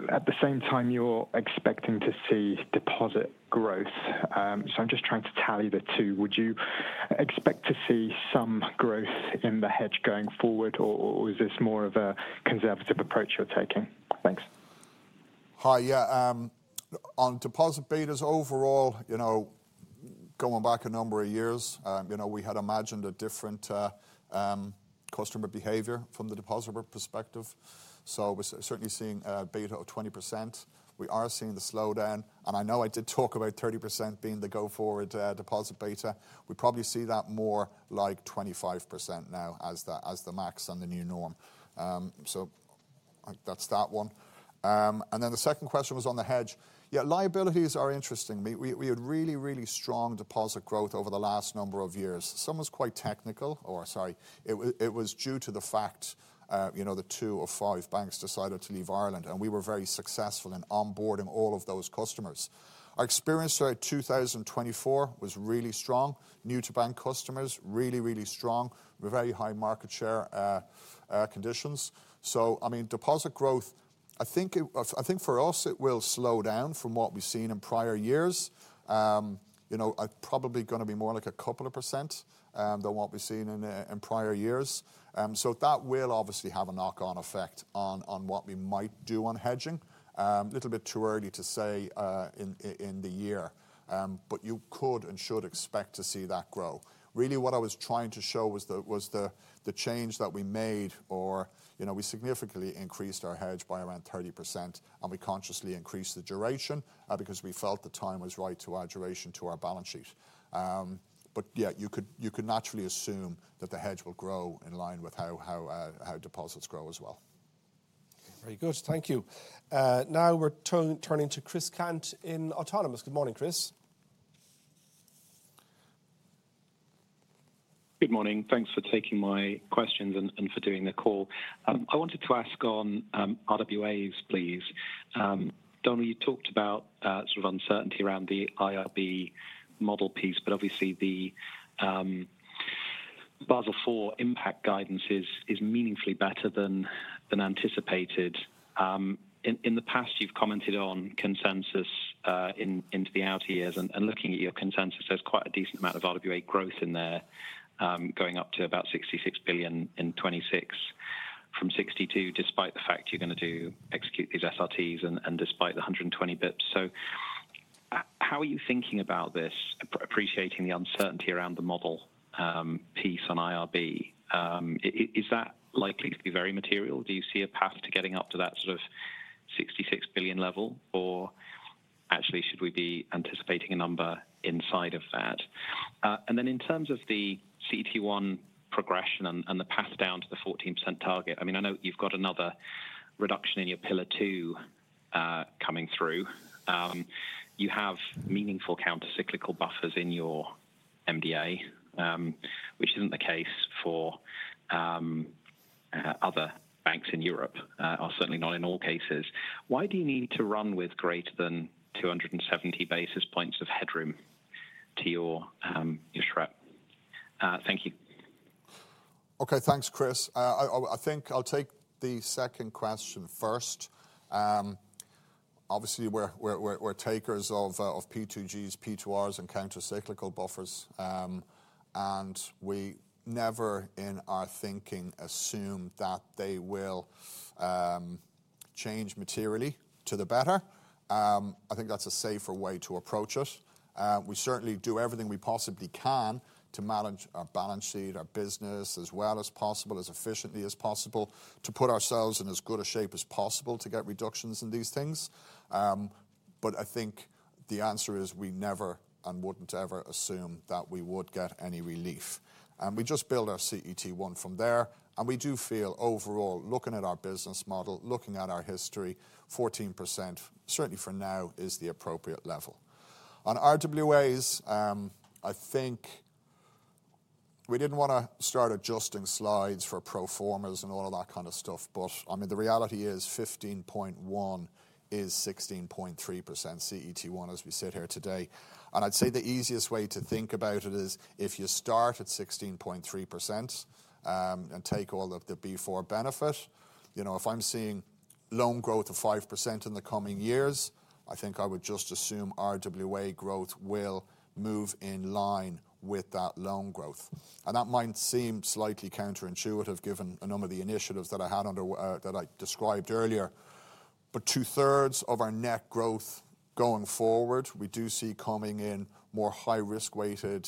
At the same time, you're expecting to see deposit growth. So, I'm just trying to tally the two. Would you expect to see some growth in the hedge going forward, or is this more of a conservative approach you're taking? Thanks. Hi, yeah. On deposit betas overall, going back a number of years, we had imagined a different customer behavior from the depositor perspective. So, we're certainly seeing a beta of 20%. We are seeing the slowdown. And I know I did talk about 30% being the go-forward deposit beta. We probably see that more like 25% now as the max and the new norm. So, that's that one. And then the second question was on the hedge. Yeah, liabilities are interesting. We had really, really strong deposit growth over the last number of years. Some was quite technical, or sorry, it was due to the fact the two of the five banks decided to leave Ireland, and we were very successful in onboarding all of those customers. Our experience throughout 2024 was really strong. New-to-bank customers, really, really strong with very high market share conditions. I mean, deposit growth, I think for us it will slow down from what we've seen in prior years. It's probably going to be more like a couple of % than what we've seen in prior years. That will obviously have a knock-on effect on what we might do on hedging. A little bit too early to say in the year, but you could and should expect to see that grow. Really, what I was trying to show was the change that we made, or we significantly increased our hedge by around 30%, and we consciously increased the duration because we felt the time was right to our duration to our balance sheet. But yeah, you could naturally assume that the hedge will grow in line with how deposits grow as well. Very good. Thank you. Now we're turning to Chris Cant in Autonomous. Good morning, Chris. Good morning. Thanks for taking my questions and for doing the call. I wanted to ask on RWAs, please. Donal, you talked about sort of uncertainty around the IRB model piece, but obviously the Basel IV impact guidance is meaningfully better than anticipated. In the past, you've commented on consensus into the outer years, and looking at your consensus, there's quite a decent amount of RWA growth in there, going up to about 66 billion in 2026 from 62 billion, despite the fact you're going to execute these SRTs and despite the 120 basis points. So, how are you thinking about this, appreciating the uncertainty around the model piece on IRB? Is that likely to be very material? Do you see a path to getting up to that sort of €66 billion level, or actually should we be anticipating a number inside of that? And then in terms of the CET1 progression and the path down to the 14% target, I mean, I know you've got another reduction in your Pillar 2 coming through. You have meaningful countercyclical buffers in your MDA, which isn't the case for other banks in Europe, or certainly not in all cases. Why do you need to run with greater than 270 basis points of headroom to your SREP? Thank you. Okay, thanks, Chris. I think I'll take the second question first. Obviously, we're takers of P2Gs, P2Rs, and countercyclical buffers, and we never in our thinking assume that they will change materially to the better. I think that's a safer way to approach it. We certainly do everything we possibly can to manage our balance sheet, our business as well as possible, as efficiently as possible, to put ourselves in as good a shape as possible to get reductions in these things. But I think the answer is we never and wouldn't ever assume that we would get any relief, and we just build our CET1 from there. And we do feel overall, looking at our business model, looking at our history, 14% certainly for now is the appropriate level. On RWAs, I think we didn't want to start adjusting slides for pro formas and all of that kind of stuff, but I mean, the reality is 15.1 is 16.3% CET1 as we sit here today. And I'd say the easiest way to think about it is if you start at 16.3% and take all of the Basel IV benefit. If I'm seeing loan growth of 5% in the coming years, I think I would just assume RWA growth will move in line with that loan growth. And that might seem slightly counterintuitive given a number of the initiatives that I described earlier. But two-thirds of our net growth going forward, we do see coming in more high-risk-weighted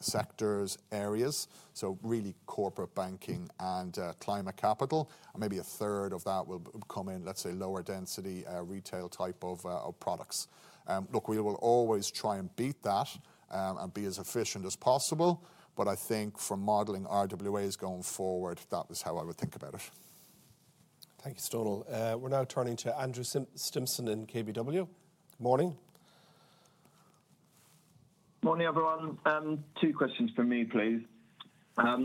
sectors, areas, so really corporate banking and Climate Capital. And maybe a third of that will come in, let's say, lower-density retail type of products. Look, we will always try and beat that and be as efficient as possible. But I think from modeling RWAs going forward, that is how I would think about it. Thank you, Donal. We're now turning to Andrew Stimpson in KBW. Good morning. Morning, everyone. Two questions from me, please.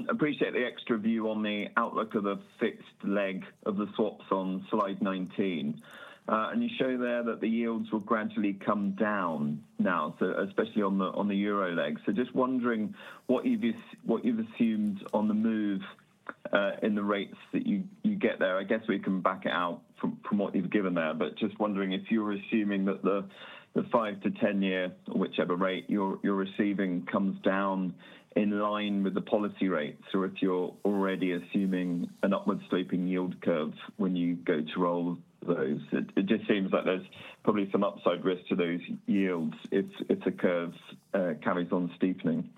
Appreciate the extra view on the outlook of the fixed leg of the swaps on slide 19. And you show there that the yields will gradually come down now, especially on the euro leg. So just wondering what you've assumed on the move in the rates that you get there. I guess we can back it out from what you've given there, but just wondering if you're assuming that the 5- to 10-year or whichever rate you're receiving comes down in line with the policy rates, or if you're already assuming an upward-sweeping yield curve when you go to roll those. It just seems like there's probably some upside risk to those yields if the curve carries on steepening.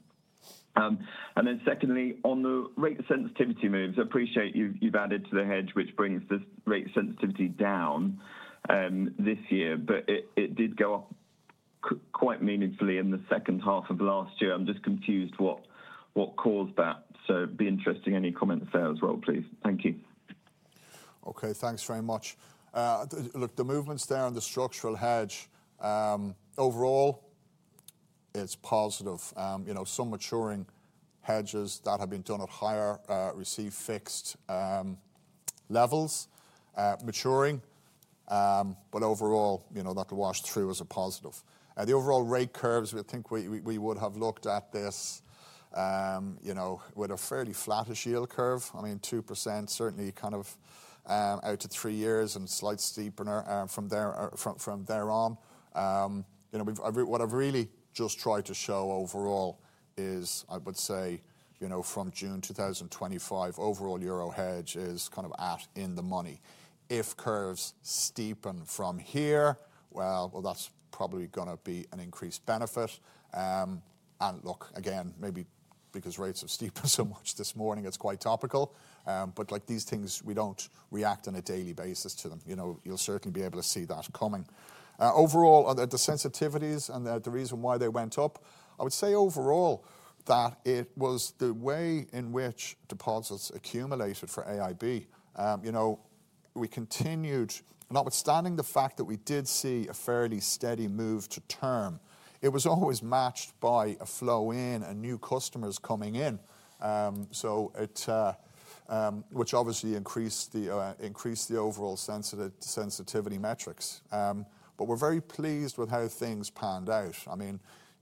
And then secondly, on the rate sensitivity moves, I appreciate you've added to the hedge, which brings this rate sensitivity down this year, but it did go up quite meaningfully in the second half of last year. I'm just confused what caused that? So it'd be interesting any comments there as well, please. Thank you. Okay, thanks very much. Look, the movements there on the structural hedge, overall, it's positive. Some maturing hedges that have been done at higher receive fixed levels maturing, but overall, that washed through as a positive. The overall rate curves, we think we would have looked at this with a fairly flat-ish yield curve. I mean, 2% certainly kind of out to three years and slight steepener from there on. What I've really just tried to show overall is, I would say, from June 2025, overall euro hedge is kind of at the money. If curves steepen from here, well, that's probably going to be an increased benefit, and look, again, maybe because rates have steepened so much this morning, it's quite topical, but these things, we don't react on a daily basis to them. You'll certainly be able to see that coming. Overall, the sensitivities and the reason why they went up, I would say overall that it was the way in which deposits accumulated for AIB. We continued, notwithstanding the fact that we did see a fairly steady move to term, it was always matched by a flow in and new customers coming in, which obviously increased the overall sensitivity metrics. But we're very pleased with how things panned out. I mean,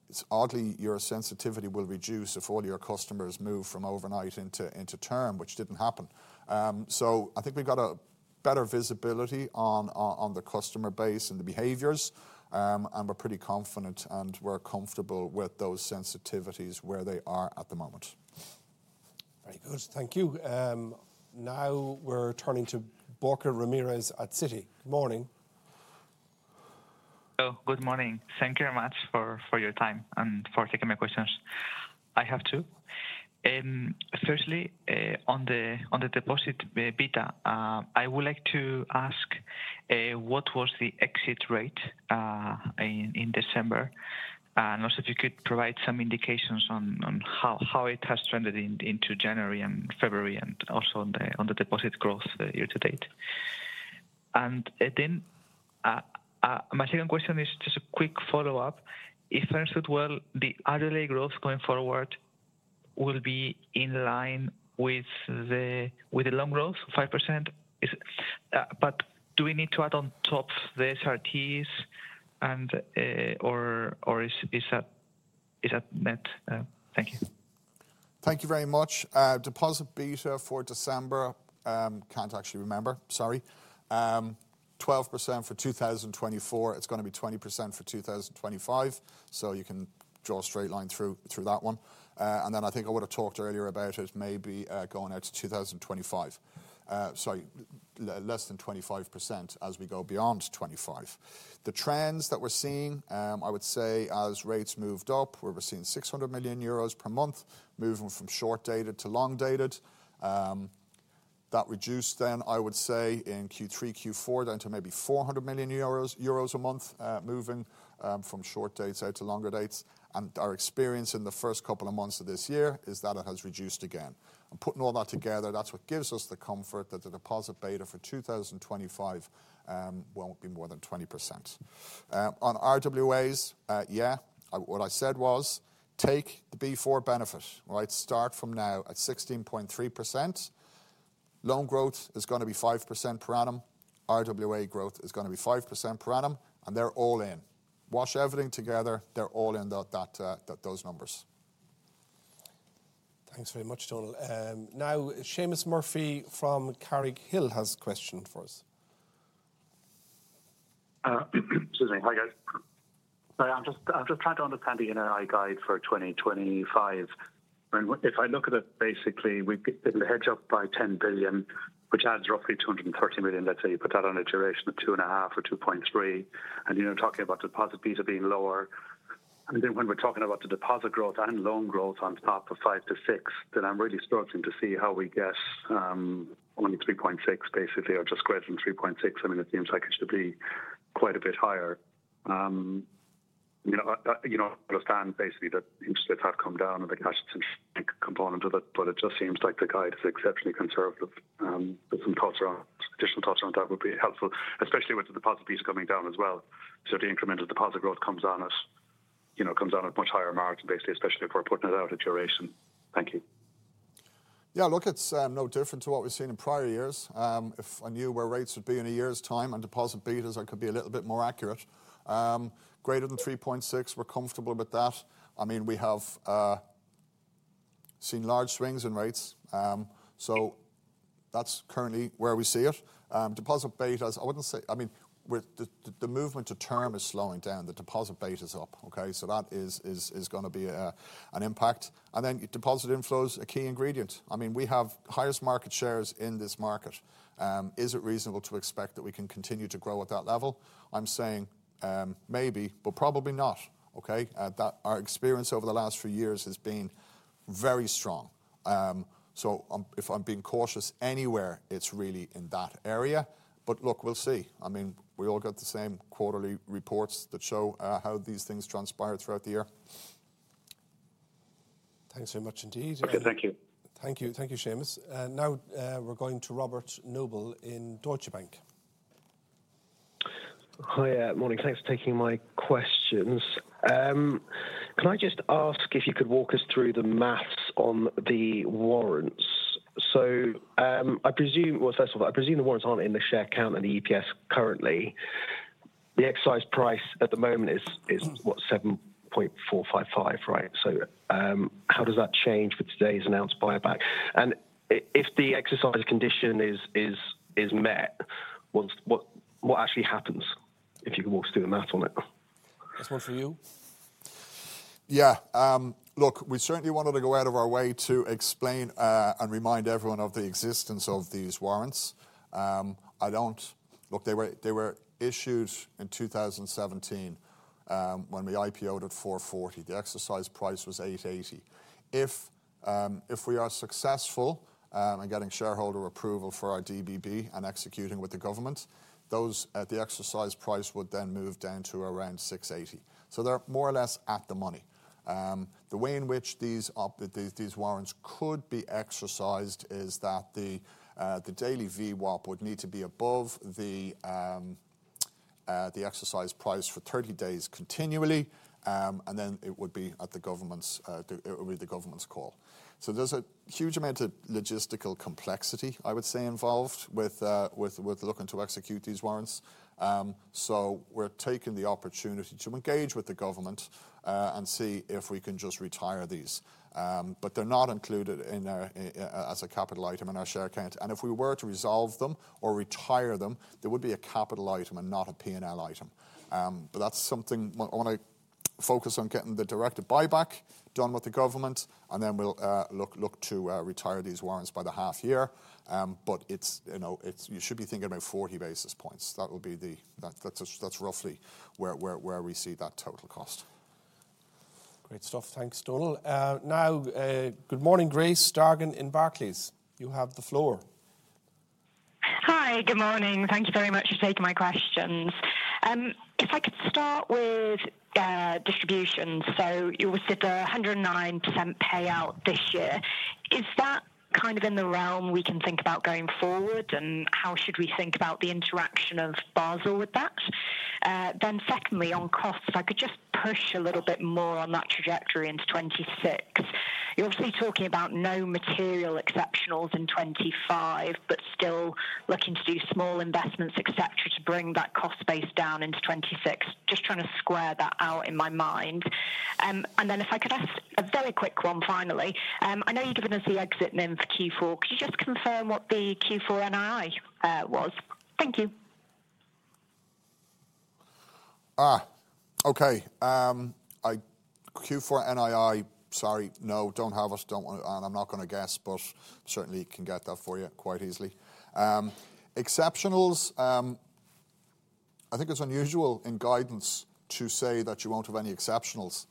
it's odd, your sensitivity will reduce if all your customers move from overnight into term, which didn't happen. So I think we've got a better visibility on the customer base and the behaviors, and we're pretty confident and we're comfortable with those sensitivities where they are at the moment. Very good. Thank you. Now we're turning to Borja Ramirez at Citi. Good morning. Hello. Good morning. Thank you very much for your time and for taking my questions. I have two. Firstly, on the deposit beta, I would like to ask what was the exit rate in December, and also if you could provide some indications on how it has trended into January and February and also on the deposit growth year to date. And then my second question is just a quick follow-up. If I understood well, the RWA growth going forward will be in line with the loan growth, 5%. But do we need to add on top the SRTs or is that net? Thank you. Thank you very much. Deposit beta for December, can't actually remember, sorry. 12% for 2024. It's going to be 20% for 2025. So you can draw a straight line through that one. And then I think I would have talked earlier about it maybe going out to 2025. Sorry, less than 25% as we go beyond 25. The trends that we're seeing, I would say as rates moved up, we were seeing 600 million euros per month moving from short-dated to long-dated. That reduced then, I would say, in Q3, Q4 down to maybe 400 million euros a month moving from short dates out to longer dates. And our experience in the first couple of months of this year is that it has reduced again. And putting all that together, that's what gives us the comfort that the deposit beta for 2025 won't be more than 20%. On RWAs, yeah, what I said was take the Basel IV benefit, right? Start from now at 16.3%. Loan growth is going to be 5% per annum. RWA growth is going to be 5% per annum, and they're all in. Wash everything together, they're all in those numbers. Thanks very much, Donal. Now, Seamus Murphy from Carraighill has a question for us. Excuse me. Hi, guys. I'm just trying to understand the NII guide for 2025. If I look at it, basically, we've hit the hedge up by 10 billion, which adds roughly 230 million. Let's say you put that on a duration of 2.5x or 2.3x, and you're talking about deposit beta being lower, and then when we're talking about the deposit growth and loan growth on top of 5%-6%, then I'm really struggling to see how we get only 3.6%, basically, or just greater than 3.6. I mean, it seems like it should be quite a bit higher. You know, I understand basically that interest rates have come down and the cash component of it, but it just seems like the guide is exceptionally conservative, but some additional thoughts around that would be helpful, especially with the deposit piece coming down as well. So the incremental deposit growth comes down at much higher margins, basically, especially if we're putting it out at duration. Thank you. Yeah, look, it's no different to what we've seen in prior years. If I knew where rates would be in a year's time on deposit betas, I could be a little bit more accurate. Greater than 3.6, we're comfortable with that. I mean, we have seen large swings in rates. So that's currently where we see it. Deposit betas, I wouldn't say, I mean, the movement to term is slowing down. The deposit beta is up, okay? So that is going to be an impact. And then deposit inflows, a key ingredient. I mean, we have highest market shares in this market. Is it reasonable to expect that we can continue to grow at that level? I'm saying maybe, but probably not, okay? Our experience over the last few years has been very strong. So if I'm being cautious anywhere, it's really in that area. But look, we'll see. I mean, we all got the same quarterly reports that show how these things transpire throughout the year. Thanks very much indeed. Okay, thank you. Thank you. Thank you, Seamus. Now we're going to Robert Noble in Deutsche Bank. Hi, morning. Thanks for taking my questions. Can I just ask if you could walk us through the math on the warrants? So I presume, well, first of all, I presume the warrants aren't in the share count and the EPS currently. The exercise price at the moment is what, 7.455, right? So how does that change with today's announced buyback? And if the exercise condition is met, what actually happens if you can walk us through the math on it? This one's for you. Yeah. Look, we certainly wanted to go out of our way to explain and remind everyone of the existence of these warrants. Look, they were issued in 2017 when we IPO'd at 440. The exercise price was 880. If we are successful in getting shareholder approval for our DBB and executing with the government, the exercise price would then move down to around 680. So they're more or less at the money. The way in which these warrants could be exercised is that the daily VWAP would need to be above the exercise price for 30 days continually, and then it would be at the government's call. So there's a huge amount of logistical complexity, I would say, involved with looking to execute these warrants. So we're taking the opportunity to engage with the government and see if we can just retire these. But they're not included as a capital item in our share count. And if we were to resolve them or retire them, there would be a capital item and not a P&L item. But that's something I want to focus on getting the directed buyback done with the government, and then we'll look to retire these warrants by the half year. But you should be thinking about 40 basis points. That would be the, that's roughly where we see that total cost. Great stuff. Thanks, Donal. Now, good morning, Grace Dargan in Barclays. You have the floor. Hi, good morning. Thank you very much for taking my questions. If I could start with distributions, so you said the 109% payout this year. Is that kind of in the realm we can think about going forward, and how should we think about the interaction of Basel with that? Then secondly, on costs, if I could just push a little bit more on that trajectory into 2026. You're obviously talking about no material exceptionals in 2025, but still looking to do small investments, etc., to bring that cost base down into 2026. Just trying to square that out in my mind. And then if I could ask a very quick one, finally. I know you've given us the exit NIM for Q4. Could you just confirm what the Q4 NII was? Thank you. Okay. Q4 NII, sorry, no, don't have it, and I'm not going to guess, but certainly can get that for you quite easily. Exceptionals, I think it's unusual in guidance to say that you won't have any exceptionals.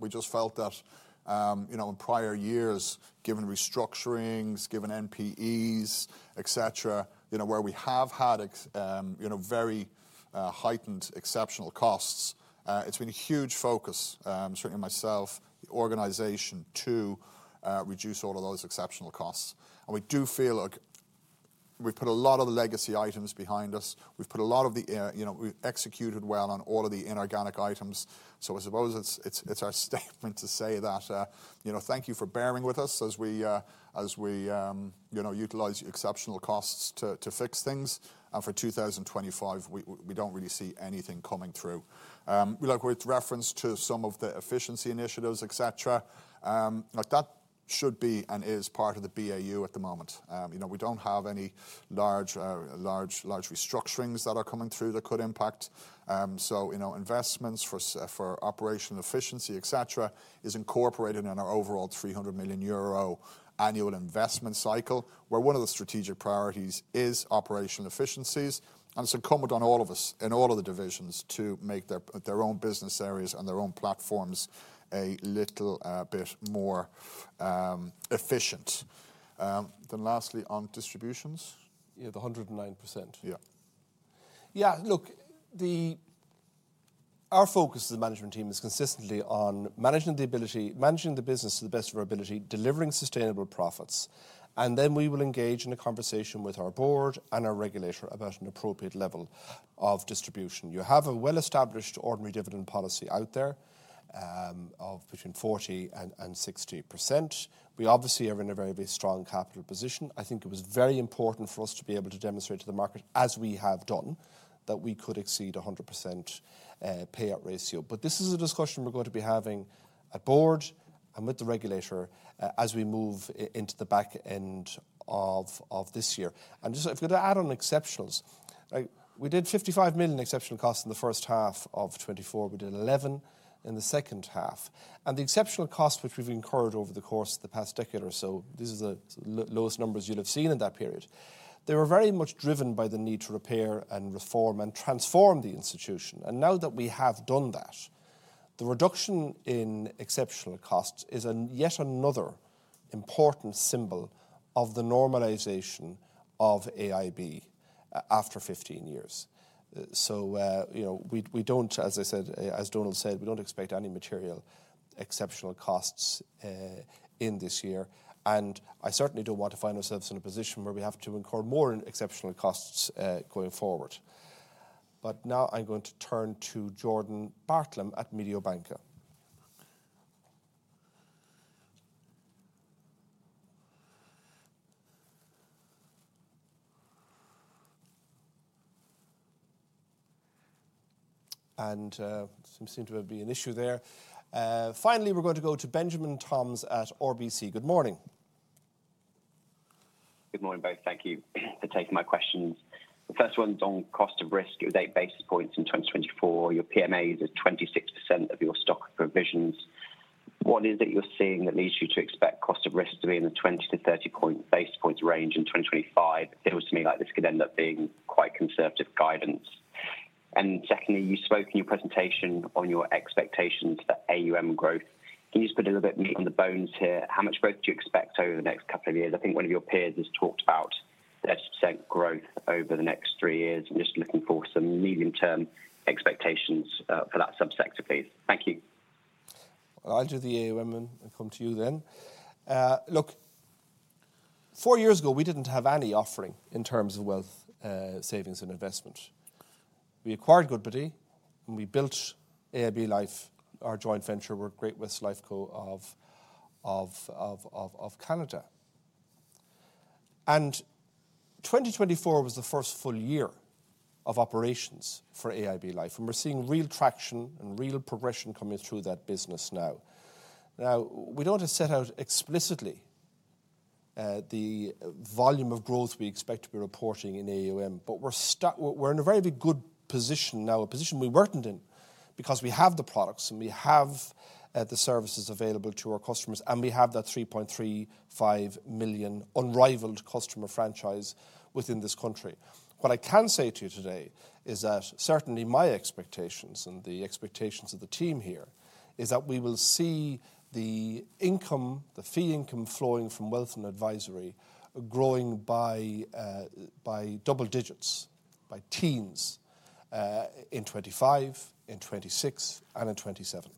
We just felt that in prior years, given restructurings, given NPEs, etc., where we have had very heightened exceptional costs, it's been a huge focus, certainly myself, the organization to reduce all of those exceptional costs. And we do feel like we've put a lot of the legacy items behind us. We've executed well on all of the inorganic items. So I suppose it's our statement to say that thank you for bearing with us as we utilized exceptional costs to fix things. And for 2025, we don't really see anything coming through. With reference to some of the efficiency initiatives, etc., that should be and is part of the BAU at the moment. We don't have any large restructurings that are coming through that could impact. So investments for operational efficiency, etc., is incorporated in our overall 300 million euro annual investment cycle, where one of the strategic priorities is operational efficiencies. And it's incumbent on all of us in all of the divisions to make their own business areas and their own platforms a little bit more efficient. Then lastly, on distributions. Yeah, the 109%. Yeah. Yeah, look, our focus as a management team is consistently on managing the ability, managing the business to the best of our ability, delivering sustainable profits. And then we will engage in a conversation with our board and our regulator about an appropriate level of distribution. You have a well-established ordinary dividend policy out there of between 40% and 60%. We obviously are in a very, very strong capital position. I think it was very important for us to be able to demonstrate to the market, as we have done, that we could exceed a 100% payout ratio. But this is a discussion we're going to be having at board and with the regulator as we move into the back end of this year. And just if I could add on exceptionals, we did 55 million exceptional costs in the first half of 2024. We did 11 million in the second half. And the exceptional costs which we've incurred over the course of the past decade or so, these are the lowest numbers you'll have seen in that period, they were very much driven by the need to repair and reform and transform the institution. And now that we have done that, the reduction in exceptional costs is yet another important symbol of the normalization of AIB after 15 years. We don't, as I said, as Donal said, we don't expect any material exceptional costs in this year. And I certainly don't want to find ourselves in a position where we have to incur more exceptional costs going forward. But now I'm going to turn to Jordan Bartlam at Mediobanca. And seemed to be an issue there. Finally, we're going to go to Benjamin Toms at RBC. Good morning. Good morning, both. Thank you for taking my questions. The first one's on cost of risk. It was eight basis points in 2024. Your PMA is at 26% of your stock provisions. What is it you're seeing that leads you to expect cost of risk to be in the 20-30 basis points range in 2025? It feels to me like this could end up being quite conservative guidance. And secondly, you spoke in your presentation on your expectations for AUM growth. Can you just put a little bit of meat on the bones here? How much growth do you expect over the next couple of years? I think one of your peers has talked about 30% growth over the next three years. I'm just looking for some medium-term expectations for that subsector, please. Thank you. I'll do the AUM and come to you then. Look, four years ago, we didn't have any offering in terms of wealth savings and investment. We acquired Goodbody, and we built AIB Life, our joint venture with Great-West Lifeco of Canada. And 2024 was the first full year of operations for AIB Life. And we're seeing real traction and real progression coming through that business now. Now, we don't have set out explicitly the volume of growth we expect to be reporting in AUM, but we're in a very good position now, a position we weren't in because we have the products and we have the services available to our customers, and we have that 3.35 million unrivaled customer franchise within this country. What I can say to you today is that certainly my expectations and the expectations of the team here is that we will see the income, the fee income flowing from wealth and advisory growing by double digits, by teens in 2025, in 2026, and in 2027.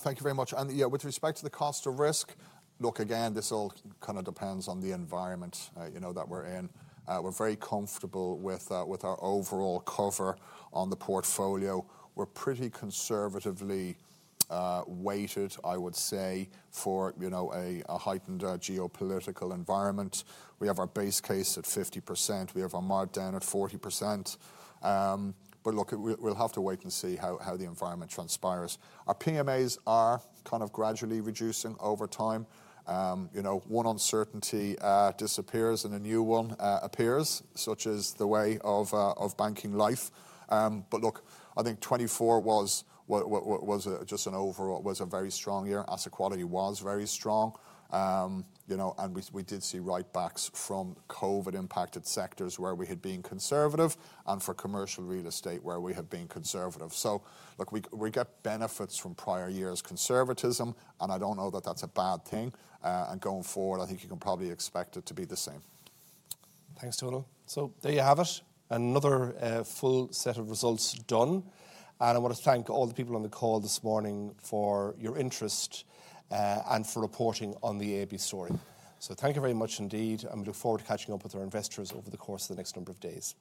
Thank you very much. And yeah, with respect to the cost of risk, look, again, this all kind of depends on the environment that we're in. We're very comfortable with our overall cover on the portfolio. We're pretty conservatively weighted, I would say, for a heightened geopolitical environment. We have our base case at 50%. We have our markdown at 40%. But look, we'll have to wait and see how the environment transpires. Our PMAs are kind of gradually reducing over time. One uncertainty disappears and a new one appears, such as the way of banking life. But look, I think 2024 was just an overall, was a very strong year. Asset quality was very strong. And we did see write-backs from COVID-impacted sectors where we had been conservative and for commercial real estate where we had been conservative. So look, we get benefits from prior years' conservatism, and I don't know that that's a bad thing. And going forward, I think you can probably expect it to be the same. Thanks, Donal. So there you have it. Another full set of results done. I want to thank all the people on the call this morning for your interest and for reporting on the AIB story. Thank you very much indeed. We look forward to catching up with our investors over the course of the next number of days.